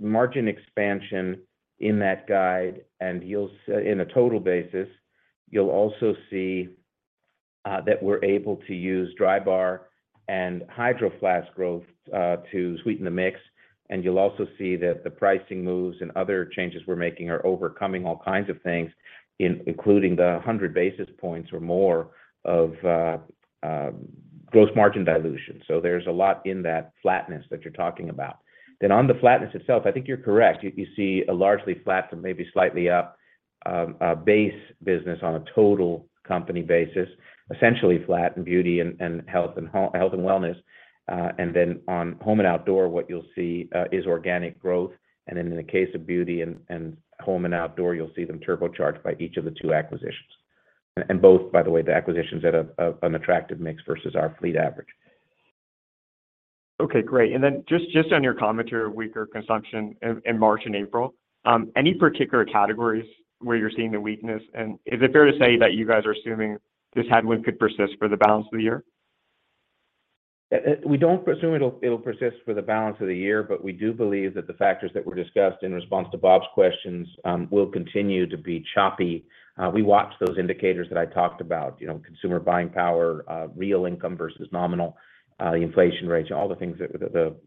margin expansion in that guide, and on a total basis, you'll also see that we're able to use Drybar and Hydro Flask growth to sweeten the mix. You'll also see that the pricing moves and other changes we're making are overcoming all kinds of things including the 100 basis points or more of gross margin dilution. There's a lot in that flatness that you're talking about. On the flatness itself, I think you're correct. You see a largely flat and maybe slightly up base business on a total company basis, essentially flat in Beauty and Health and Wellness. On Home and Outdoor, what you'll see is organic growth. Then in the case of Beauty and Home and Outdoor, you'll see them turbocharged by each of the two acquisitions. Both, by the way, the acquisitions at an attractive mix versus our fleet average. Okay, great. Then just on your commentary of weaker consumption in March and April, any particular categories where you're seeing the weakness? Is it fair to say that you guys are assuming this headwind could persist for the balance of the year? We don't presume it'll persist for the balance of the year, but we do believe that the factors that were discussed in response to Bob's questions will continue to be choppy. We watch those indicators that I talked about, you know, consumer buying power, real income versus nominal, the inflation rates, all the things that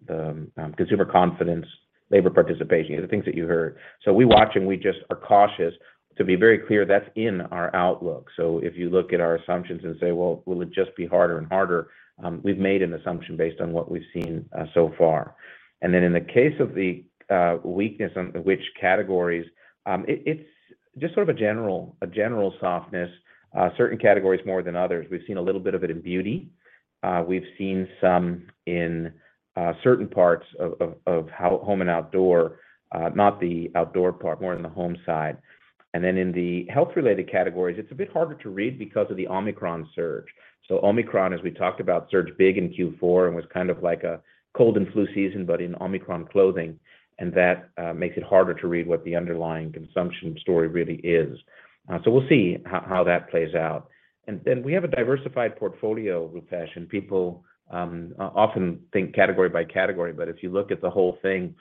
the consumer confidence, labor participation, the things that you heard. We watch and we just are cautious to be very clear that's in our outlook. If you look at our assumptions and say, "Well, will it just be harder and harder?" We've made an assumption based on what we've seen so far. Then in the case of the weakness on which categories, it's just sort of a general softness, certain categories more than others. We've seen a little bit of it in Beauty. We've seen some in certain parts of Home and Outdoor, not the outdoor part, more on the home side. In the health-related categories, it's a bit harder to read because of the Omicron surge. Omicron, as we talked about, surged big in Q4 and was kind of like a cold and flu season, but in Omicron clothing. That makes it harder to read what the underlying consumption story really is. We'll see how that plays out. We have a diversified portfolio, Rupesh, and people often think category by category. If you look at the whole thing,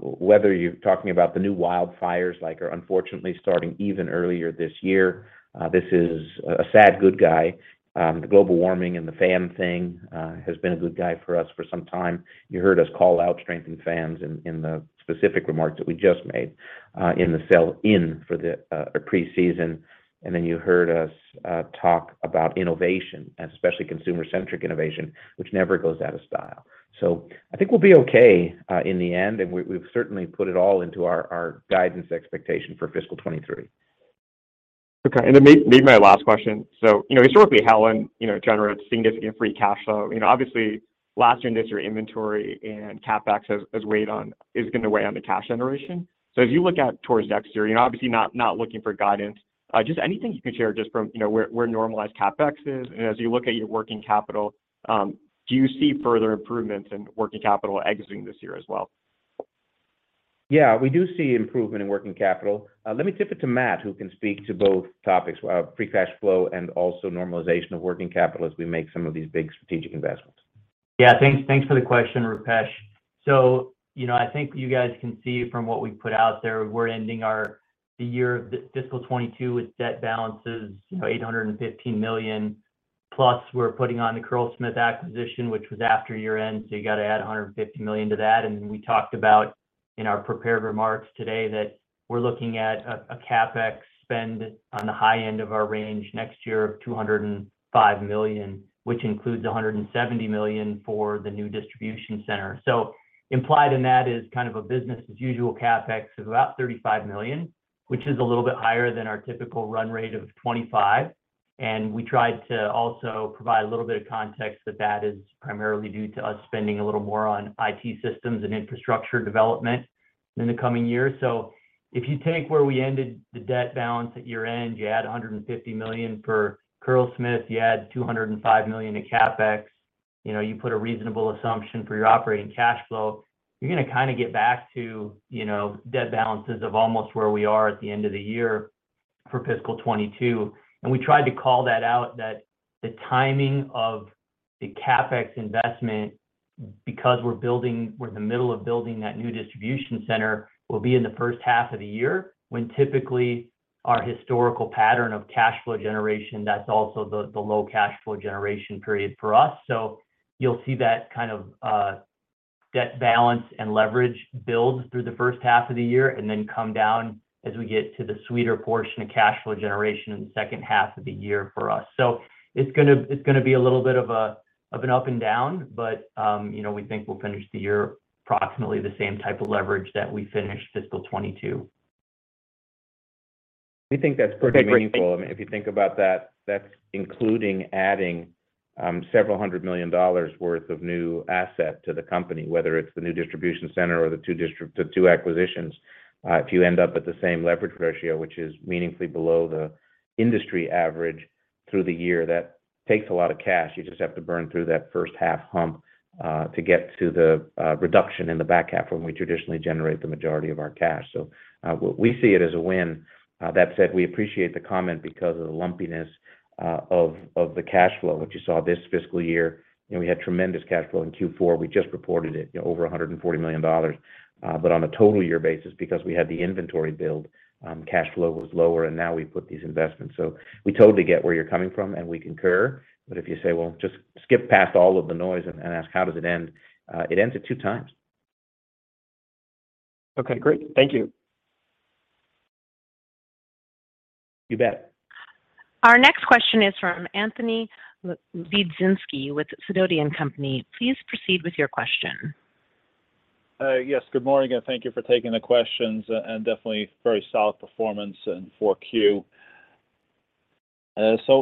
whether you're talking about the new wildfires, like are unfortunately starting even earlier this year, this is a sad good guy. The global warming and the fan thing has been a good guy for us for some time. You heard us call out strength in fans in the specific remarks that we just made in the sell-in for the preseason. You heard us talk about innovation, especially consumer-centric innovation, which never goes out of style. I think we'll be okay in the end, and we've certainly put it all into our guidance expectation for fiscal 2023. Okay. Maybe my last question. You know, historically, Helen, you know, generates significant free cash flow. You know, obviously last year, your inventory and CapEx is gonna weigh on the cash generation. As you look out towards next year, you're obviously not looking for guidance. Just anything you can share just from, you know, where normalized CapEx is, and as you look at your working capital, do you see further improvements in working capital exiting this year as well? Yeah, we do see improvement in working capital. Let me turn it to Matt, who can speak to both topics, free cash flow and also normalization of working capital as we make some of these big strategic investments. Yeah, thanks for the question, Rupesh. You know, I think you guys can see from what we've put out there, we're ending the year of fiscal 2022 with debt balances, you know, $815 million, plus we're putting on the Curlsmith acquisition, which was after year-end, so you gotta add $150 million to that. We talked about in our prepared remarks today that we're looking at a CapEx spend on the high end of our range next year of $205 million, which includes $170 million for the new distribution center. Implied in that is kind of a business as usual CapEx of about $35 million, which is a little bit higher than our typical run rate of 25. We tried to also provide a little bit of context that that is primarily due to us spending a little more on IT systems and infrastructure development in the coming year. If you take where we ended the debt balance at year-end, you add $150 million for Curlsmith, you add $205 million to CapEx, you know, you put a reasonable assumption for your operating cash flow, you're gonna kinda get back to, you know, debt balances of almost where we are at the end of the year for fiscal 2022. We tried to call that out, that the timing of the CapEx investment, because we're in the middle of building that new distribution center, will be in the first half of the year when typically our historical pattern of cash flow generation. That's also the low cash flow generation period for us. You'll see that kind of debt balance and leverage build through the first half of the year and then come down as we get to the sweeter portion of cash flow generation in the second half of the year for us. It's gonna be a little bit of an up and down, but you know, we think we'll finish the year approximately the same type of leverage that we finished fiscal 2022. We think that's pretty meaningful. I mean, if you think about that's including adding several hundred million dollars worth of new asset to the company, whether it's the new distribution center or the two acquisitions. If you end up at the same leverage ratio, which is meaningfully below the industry average through the year, that takes a lot of cash. You just have to burn through that first half hump to get to the reduction in the back half when we traditionally generate the majority of our cash. We see it as a win. That said, we appreciate the comment because of the lumpiness of the cash flow, which you saw this fiscal year. You know, we had tremendous cash flow in Q4. We just reported it, you know, over $140 million. On a total year basis, because we had the inventory build, cash flow was lower, and now we put these investments. We totally get where you're coming from, and we concur. If you say, "Well, just skip past all of the noise and ask how does it end?" It ends at 2x. Okay, great. Thank you. You bet. Our next question is from Anthony Lebiedzinski with Sidoti & Company. Please proceed with your question. Yes. Good morning, and thank you for taking the questions, and definitely very solid performance in Q4.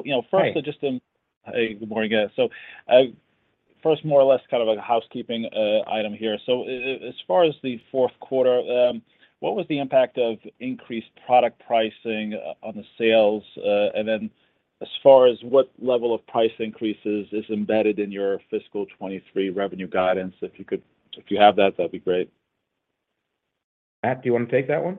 You know, first- Hey Hey, good morning, guys. First, more or less kind of like a housekeeping item here. As far as the fourth quarter, what was the impact of increased product pricing on the sales? And then as far as what level of price increases is embedded in your fiscal 2023 revenue guidance, if you have that'd be great. Matt, do you wanna take that one?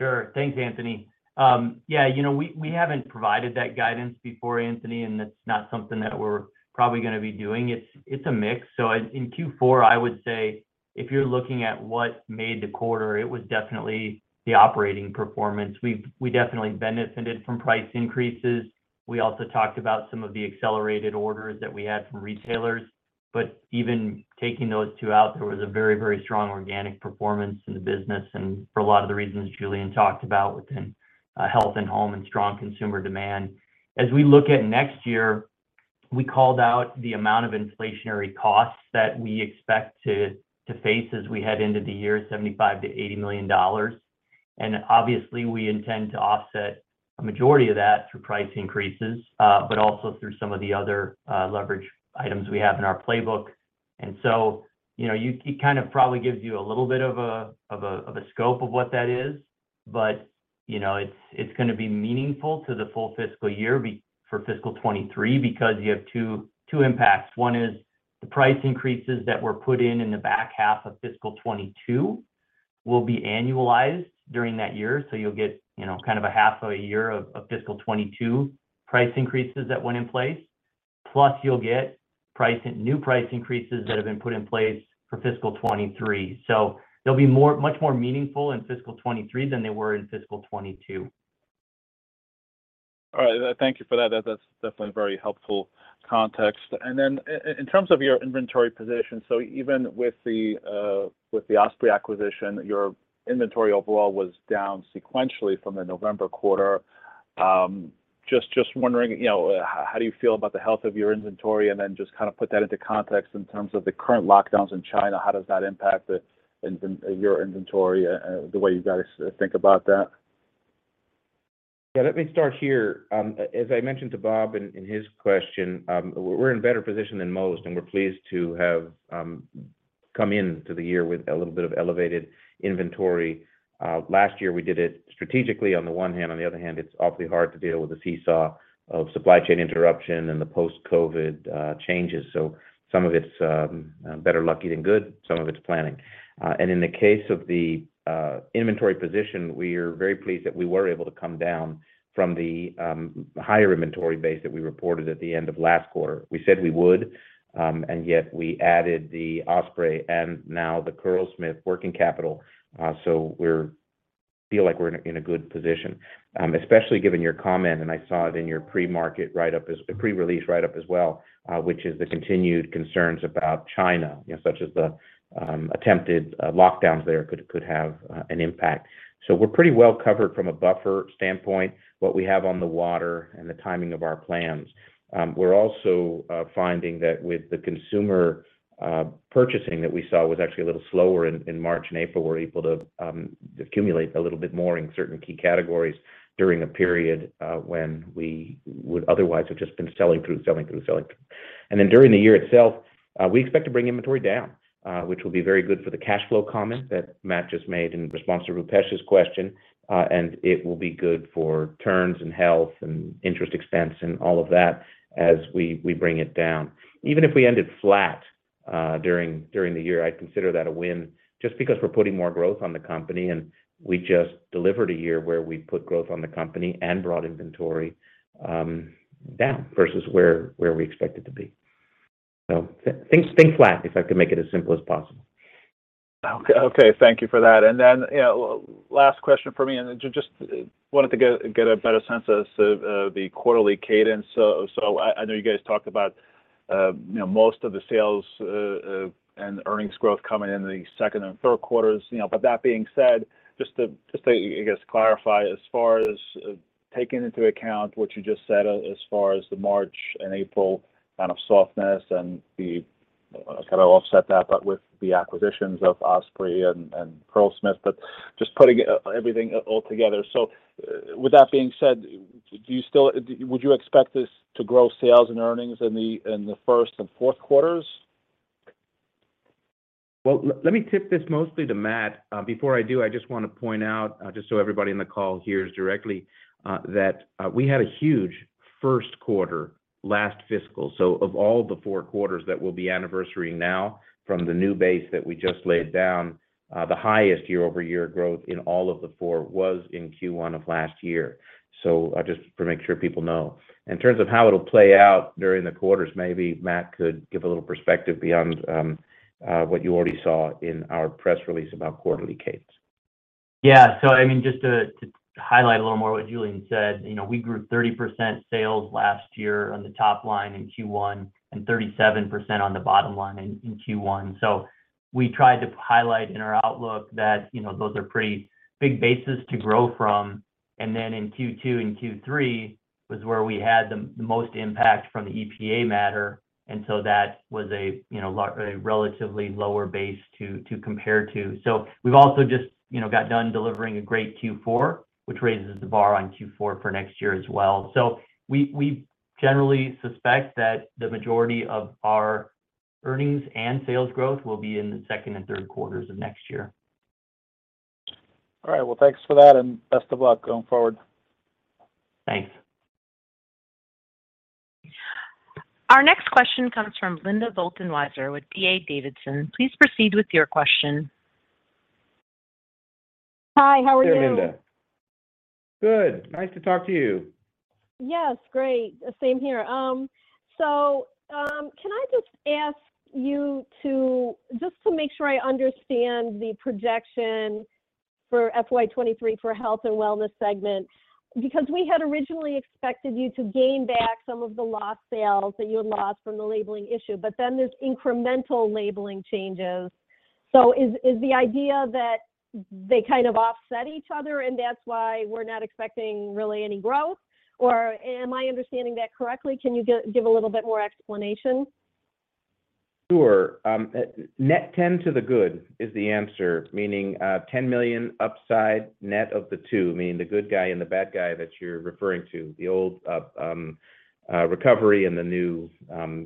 Sure. Thanks, Anthony. We haven't provided that guidance before, Anthony, and that's not something that we're probably gonna be doing. It's a mix. So in Q4, I would say if you're looking at what made the quarter, it was definitely the operating performance. We definitely benefited from price increases. We also talked about some of the accelerated orders that we had from retailers. But even taking those two out, there was a very, very strong organic performance in the business, and for a lot of the reasons Julien talked about within Health and Home and strong consumer demand. As we look at next year, we called out the amount of inflationary costs that we expect to face as we head into the year, $75 million-$80 million. Obviously, we intend to offset a majority of that through price increases, but also through some of the other leverage items we have in our playbook. You know, it kind of probably gives you a little bit of a scope of what that is. You know, it's gonna be meaningful to the full fiscal year for fiscal 2023 because you have two impacts. One is the price increases that were put in in the back half of fiscal 2022 will be annualized during that year, so you'll get, you know, kind of a half a year of fiscal 2022 price increases that went in place. Plus you'll get new price increases that have been put in place for fiscal 2023. They'll be more, much more meaningful in fiscal 2023 than they were in fiscal 2022. All right. Thank you for that. That's definitely very helpful context. In terms of your inventory position, even with the Osprey acquisition, your inventory overall was down sequentially from the November quarter. Just wondering, you know, how do you feel about the health of your inventory, and then just kinda put that into context in terms of the current lockdowns in China, how does that impact your inventory, the way you guys think about that? Yeah, let me start here. As I mentioned to Bob in his question, we're in a better position than most, and we're pleased to have come into the year with a little bit of elevated inventory. Last year we did it strategically on the one hand. On the other hand, it's awfully hard to deal with the seesaw of supply chain interruption and the post-COVID changes. Some of it's better lucky than good, some of it's planning. In the case of the inventory position, we are very pleased that we were able to come down from the higher inventory base that we reported at the end of last quarter. We said we would, and yet we added the Osprey and now the Curlsmith working capital, so we feel like we're in a good position. Especially given your comment, and I saw it in your pre-release write up as well, which is the continued concerns about China, you know, such as the attempted lockdowns there could have an impact. We're pretty well covered from a buffer standpoint, what we have on the water and the timing of our plans. We're also finding that with the consumer purchasing that we saw was actually a little slower in March and April. We're able to accumulate a little bit more in certain key categories during a period when we would otherwise have just been selling through. During the year itself, we expect to bring inventory down, which will be very good for the cash flow comment that Matt just made in response to Rupesh's question, and it will be good for turns and health and interest expense and all of that as we bring it down. Even if we ended flat during the year, I'd consider that a win just because we're putting more growth on the company, and we just delivered a year where we put growth on the company and brought inventory down versus where we expect it to be. Things stay flat, if I could make it as simple as possible. Okay. Thank you for that. Then, you know, last question from me, and just wanted to get a better sense of the quarterly cadence. I know you guys talked about, you know, most of the sales and earnings growth coming in the second and third quarters. You know, that being said, just to, I guess, clarify as far as taking into account what you just said as far as the March and April kind of softness and the kind of offset that, but with the acquisitions of Osprey and Curlsmith, but just putting everything all together. With that being said, would you expect this to grow sales and earnings in the first and fourth quarters? Well, let me turn this over to Matt. Before I do, I just wanna point out just so everybody in the call hears directly that we had a huge first quarter last fiscal. Of all the four quarters that will be anniversary now from the new base that we just laid down, the highest year-over-year growth in all of the four was in Q1 of last year. Just to make sure people know. In terms of how it'll play out during the quarters, maybe Matt could give a little perspective beyond what you already saw in our press release about quarterly cadence. Yeah. I mean, just to highlight a little more what Julien said, you know, we grew 30% sales last year on the top line in Q1 and 37% on the bottom line in Q1. We tried to highlight in our outlook that, you know, those are pretty big bases to grow from. Then in Q2 and Q3 was where we had the most impact from the EPA matter. That was a, you know, a relatively lower base to compare to. We've also just, you know, got done delivering a great Q4, which raises the bar on Q4 for next year as well. We generally suspect that the majority of our earnings and sales growth will be in the second and third quarters of next year. All right. Well, thanks for that and best of luck going forward. Thanks. Our next question comes from Linda Bolton-Weiser with D.A. Davidson. Please proceed with your question. Hi, how are you? Hey, Linda. Good. Nice to talk to you. Yes. Great. Same here. Can I just ask you to make sure I understand the projection for FY 2023 for Health and Wellness segment, because we had originally expected you to gain back some of the lost sales that you had lost from the labeling issue? Then there's incremental labeling changes. Is the idea that they kind of offset each other, and that's why we're not expecting really any growth? Or am I understanding that correctly? Can you give a little bit more explanation? Sure. Net ten to the good is the answer, meaning, $10 million upside net of the two, meaning the good guy and the bad guy that you're referring to, the old, recovery and the new,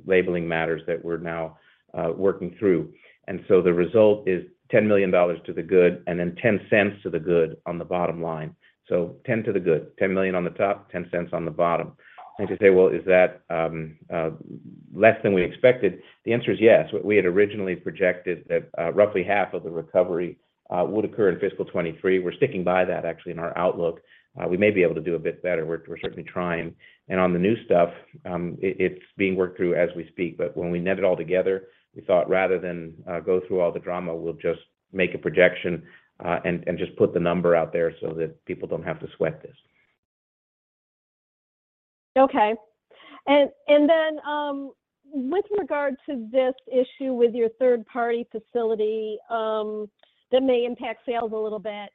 labeling matters that we're now, working through. The result is $10 million to the good and then $0.10 to the good on the bottom line. Ten to the good, $10 million on the top, $0.10 on the bottom. To say, well, is that, less than we expected? The answer is yes. We had originally projected that, roughly half of the recovery, would occur in fiscal 2023. We're sticking by that actually in our outlook. We may be able to do a bit better. We're certainly trying. On the new stuff, it's being worked through as we speak. When we net it all together, we thought rather than go through all the drama, we'll just make a projection, and just put the number out there so that people don't have to sweat this. Okay. Then, with regard to this issue with your third-party facility, that may impact sales a little bit,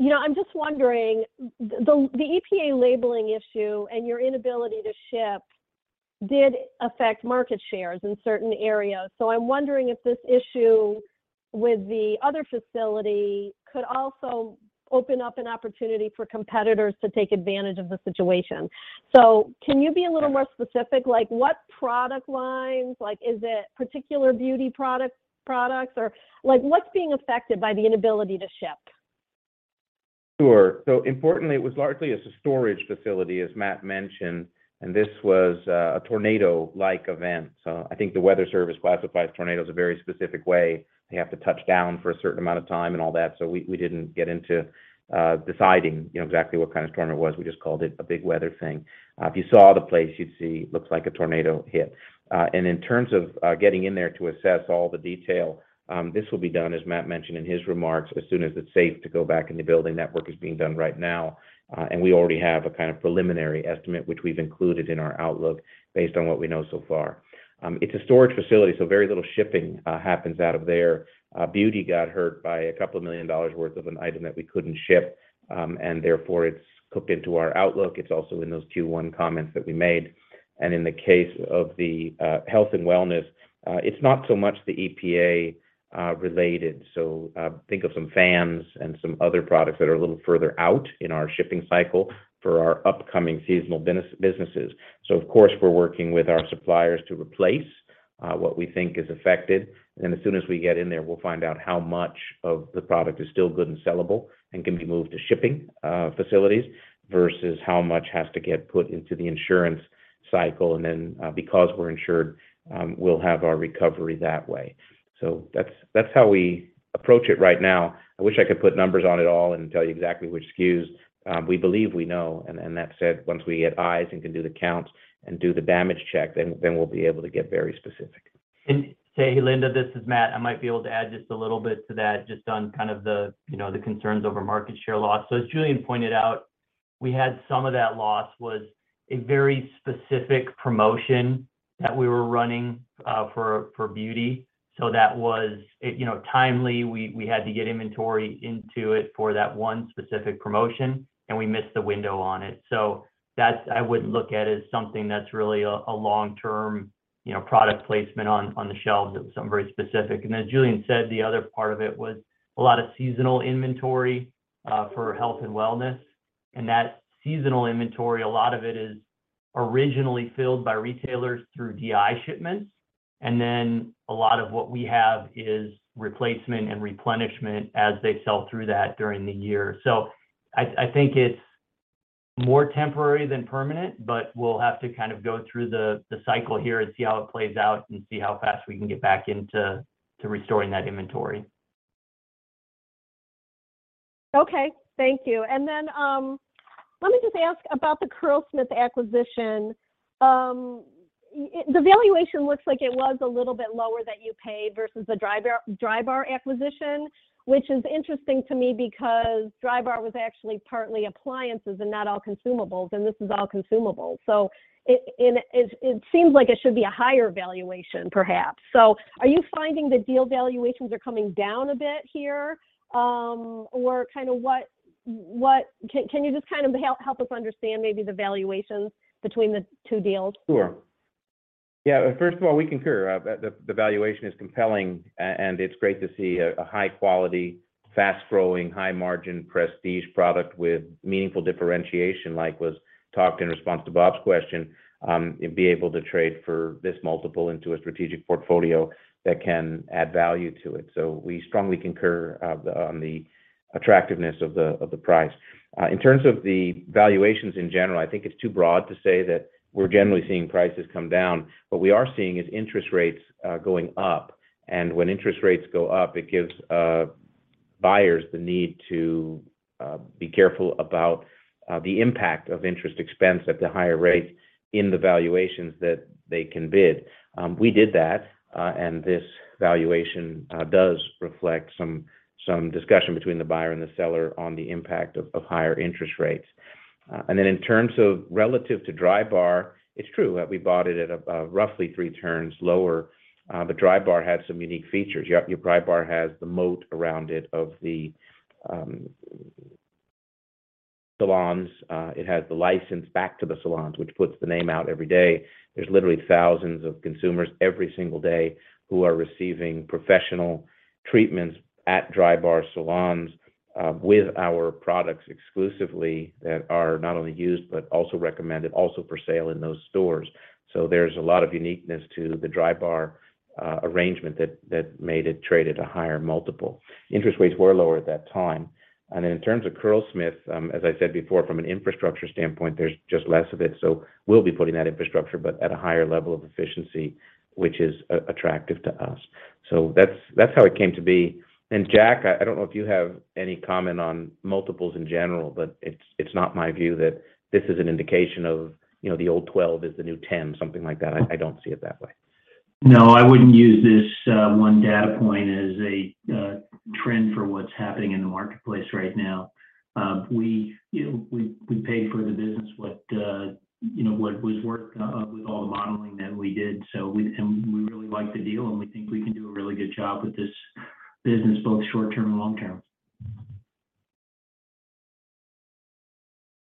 you know, I'm just wondering, the EPA labeling issue and your inability to ship did affect market shares in certain areas. I'm wondering if this issue with the other facility could also open up an opportunity for competitors to take advantage of the situation. Can you be a little more specific? Like, what product lines? Like, is it particular beauty products? Or like, what's being affected by the inability to ship? Sure. Importantly, it was largely a storage facility, as Matt mentioned, and this was a tornado-like event. I think the weather service classifies tornadoes a very specific way. They have to touch down for a certain amount of time and all that. We didn't get into deciding, you know, exactly what kind of tornado it was. We just called it a big weather thing. If you saw the place, you'd see it looks like a tornado hit. In terms of getting in there to assess all the detail, this will be done, as Matt mentioned in his remarks, as soon as it's safe to go back in the building. That work is being done right now. We already have a kind of preliminary estimate, which we've included in our outlook based on what we know so far. It's a storage facility, so very little shipping happens out of there. Beauty got hurt by $2 million worth of an item that we couldn't ship, and therefore it's cooked into our outlook. It's also in those Q1 comments that we made. In the case of the Health and Wellness, it's not so much the EPA related. Think of some fans and some other products that are a little further out in our shipping cycle for our upcoming seasonal businesses. Of course, we're working with our suppliers to replace what we think is affected. As soon as we get in there, we'll find out how much of the product is still good and sellable and can be moved to shipping facilities versus how much has to get put into the insurance cycle. Because we're insured, we'll have our recovery that way. That's how we approach it right now. I wish I could put numbers on it all and tell you exactly which SKUs we believe we know. That said, once we get eyes and can do the count and do the damage check, then we'll be able to get very specific. Hey, Linda, this is Matt. I might be able to add just a little bit to that just on kind of the, you know, the concerns over market share loss. As Julien pointed out, we had some of that loss was a very specific promotion that we were running for beauty. That was timely. We had to get inventory into it for that one specific promotion, and we missed the window on it. That's I wouldn't look at as something that's really a long-term, you know, product placement on the shelves. It was something very specific. As Julien said, the other part of it was a lot of seasonal inventory for Health and Wellness. That seasonal inventory, a lot of it is originally filled by retailers through DI shipments. A lot of what we have is replacement and replenishment as they sell through that during the year. I think it's more temporary than permanent, but we'll have to kind of go through the cycle here and see how it plays out and see how fast we can get back into restoring that inventory. Okay. Thank you. Let me just ask about the Curlsmith acquisition. The valuation looks like it was a little bit lower than you paid versus the Drybar acquisition, which is interesting to me because Drybar was actually partly appliances and not all consumables, and this is all consumable. It seems like it should be a higher valuation perhaps. Are you finding the deal valuations are coming down a bit here? Or kind of what can you just kind of help us understand maybe the valuations between the two deals? Sure. Yeah, first of all, we concur. The valuation is compelling and it's great to see a high quality, fast-growing, high margin prestige product with meaningful differentiation, like was talked in response to Bob's question, and be able to trade for this multiple into a strategic portfolio that can add value to it. We strongly concur on the attractiveness of the price. In terms of the valuations in general, I think it's too broad to say that we're generally seeing prices come down. What we are seeing is interest rates going up, and when interest rates go up, it gives buyers the need to be careful about the impact of interest expense at the higher rates in the valuations that they can bid. We did that, and this valuation does reflect some discussion between the buyer and the seller on the impact of higher interest rates. Then in terms of relative to Drybar, it's true that we bought it at about roughly 3 turns lower, but Drybar had some unique features. Drybar has the moat around it of the salons. It has the license back to the salons, which puts the name out every day. There's literally thousands of consumers every single day who are receiving professional treatments at Drybar salons, with our products exclusively that are not only used, but also recommended also for sale in those stores. There's a lot of uniqueness to the Drybar arrangement that made it trade at a higher multiple. Interest rates were lower at that time. In terms of Curlsmith, as I said before, from an infrastructure standpoint, there's just less of it, so we'll be putting that infrastructure, but at a higher level of efficiency, which is attractive to us. That's how it came to be. Jack, I don't know if you have any comment on multiples in general, but it's not my view that this is an indication of, you know, the old 12 is the new 10, something like that. I don't see it that way. No, I wouldn't use this one data point as a trend for what's happening in the marketplace right now. We, you know, paid for the business what, you know, what was worth with all the modeling that we did. We really like the deal, and we think we can do a really good job with this business, both short term and long term.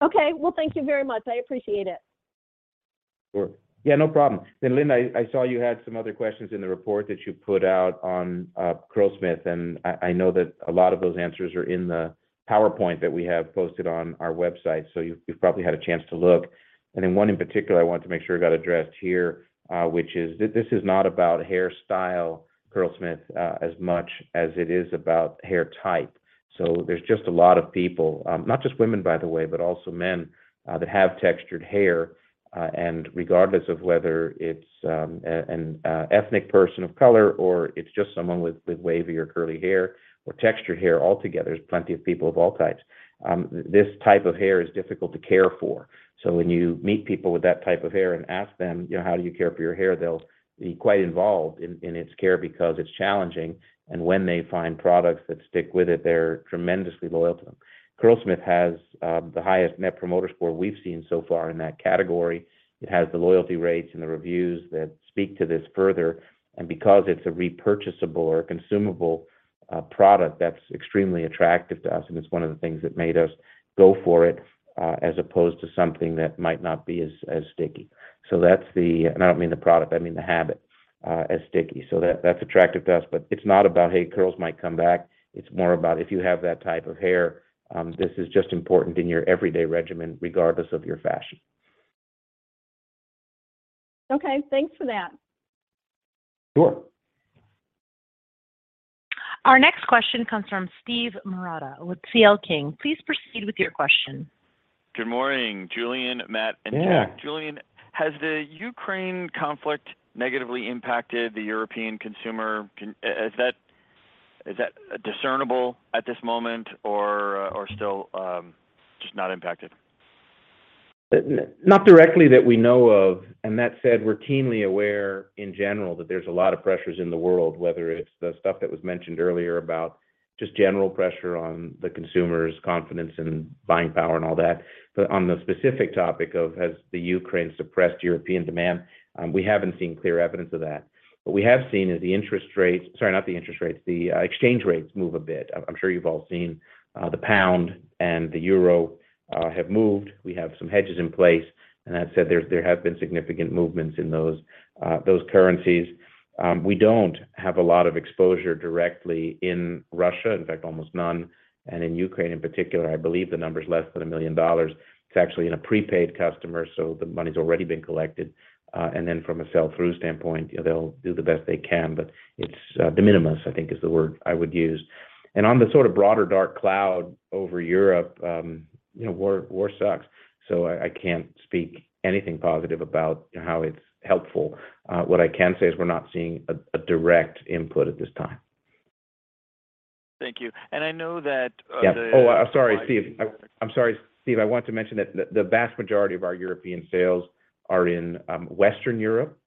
Okay. Well, thank you very much. I appreciate it. Sure. Yeah, no problem. Linda, I saw you had some other questions in the report that you put out on Curlsmith, and I know that a lot of those answers are in the PowerPoint that we have posted on our website. You've probably had a chance to look. Then one in particular I wanted to make sure got addressed here, which is this is not about hairstyle, Curlsmith, as much as it is about hair type. There's just a lot of people, not just women by the way, but also men, that have textured hair. Regardless of whether it's an ethnic person of color or it's just someone with wavy or curly hair or textured hair altogether, there's plenty of people of all types. This type of hair is difficult to care for. When you meet people with that type of hair and ask them, you know, "How do you care for your hair?" They'll be quite involved in its care because it's challenging, and when they find products that stick with it, they're tremendously loyal to them. Curlsmith has the highest net promoter score we've seen so far in that category. It has the loyalty rates and the reviews that speak to this further, and because it's a repurchasable or a consumable product, that's extremely attractive to us, and it's one of the things that made us go for it, as opposed to something that might not be as sticky. So that's the, and I don't mean the product, I mean the habit as sticky. So that's attractive to us. But it's not about "Hey, curls might come back." It's more about if you have that type of hair, this is just important in your everyday regimen, regardless of your fashion. Okay. Thanks for that. Sure. Our next question comes from Steve Marotta with C.L. King. Please proceed with your question. Good morning, Julien, Matt, and Jack. Yeah. Julien, has the Ukraine conflict negatively impacted the European consumer? Is that discernible at this moment or still just not impacted? Not directly that we know of. That said, we're keenly aware in general that there's a lot of pressures in the world, whether it's the stuff that was mentioned earlier about just general pressure on the consumer's confidence and buying power and all that. On the specific topic of has the Ukraine suppressed European demand, we haven't seen clear evidence of that. What we have seen is the exchange rates move a bit. I'm sure you've all seen the pound and the euro have moved. We have some hedges in place. That said, there have been significant movements in those currencies. We don't have a lot of exposure directly in Russia, in fact, almost none, and in Ukraine in particular, I believe the number's less than $1 million. It's actually in a prepaid customer, so the money's already been collected. From a sell-through standpoint, you know, they'll do the best they can, but it's de minimis, I think is the word I would use. On the sort of broader dark cloud over Europe, you know, war sucks, so I can't speak anything positive about how it's helpful. What I can say is we're not seeing a direct input at this time. Thank you. I know that, Yeah. Oh, sorry, Steve. I'm sorry, Steve. I want to mention that the vast majority of our European sales are in Western Europe.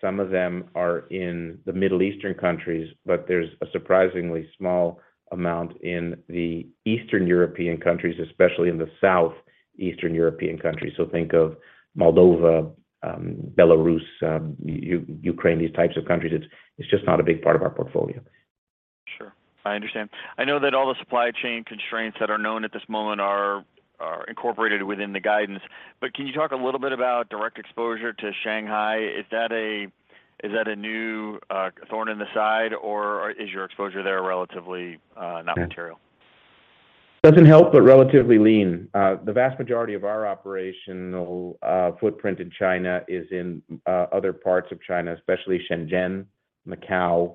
Some of them are in the Middle Eastern countries, but there's a surprisingly small amount in the Eastern European countries, especially in the South Eastern European countries. Think of Moldova, Belarus, Ukraine, these types of countries. It's just not a big part of our portfolio. Sure. I understand. I know that all the supply chain constraints that are known at this moment are incorporated within the guidance. Can you talk a little bit about direct exposure to Shanghai? Is that a, is that a new thorn in the side or is your exposure there relatively not material? Doesn't help, but relatively lean. The vast majority of our operational footprint in China is in other parts of China, especially Shenzhen, Macau,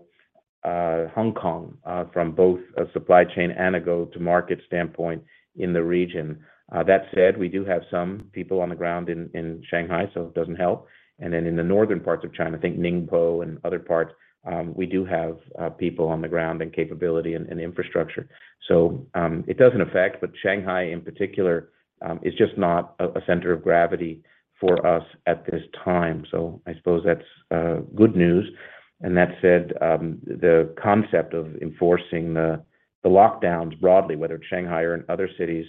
Hong Kong, from both a supply chain and a go-to-market standpoint in the region. That said, we do have some people on the ground in Shanghai, so it doesn't help. Then in the northern parts of China, think Ningbo and other parts, we do have people on the ground in capability and infrastructure. It doesn't affect, but Shanghai in particular is just not a center of gravity for us at this time. I suppose that's good news. That said, the concept of enforcing the lockdowns broadly, whether it's Shanghai or in other cities,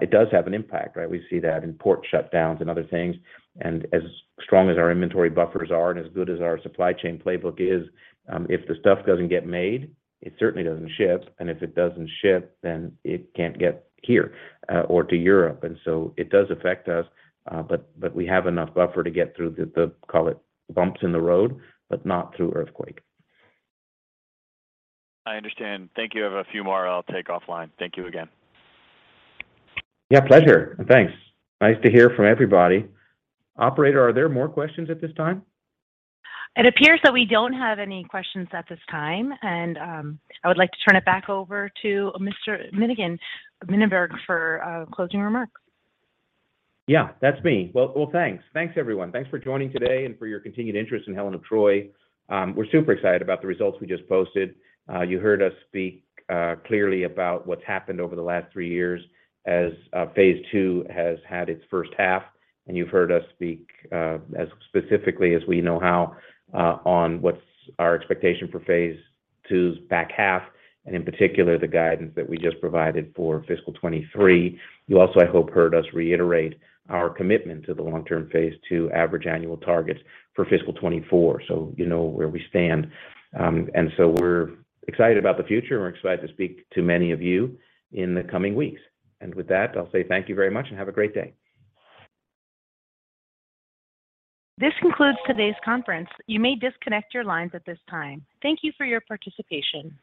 it does have an impact, right? We see that in port shutdowns and other things. As strong as our inventory buffers are and as good as our supply chain playbook is, if the stuff doesn't get made, it certainly doesn't ship. If it doesn't ship, then it can't get here, or to Europe. It does affect us. But we have enough buffer to get through the call it bumps in the road, but not through earthquake. I understand. Thank you. I have a few more I'll take offline. Thank you again. Yeah, pleasure, and thanks. Nice to hear from everybody. Operator, are there more questions at this time? It appears that we don't have any questions at this time. I would like to turn it back over to Mr. Mininberg for closing remarks. Yeah, that's me. Well, thanks. Thanks, everyone. Thanks for joining today and for your continued interest in Helen of Troy. We're super excited about the results we just posted. You heard us speak clearly about what's happened over the last three years as Phase II has had its first half, and you've heard us speak as specifically as we know how on what's our expectation for Phase II's back half, and in particular, the guidance that we just provided for fiscal 2023. You also, I hope, heard us reiterate our commitment to the long-term Phase II average annual targets for fiscal 2024. So you know where we stand. We're excited about the future, and we're excited to speak to many of you in the coming weeks. With that, I'll say thank you very much, and have a great day. This concludes today's conference. You may disconnect your lines at this time. Thank you for your participation.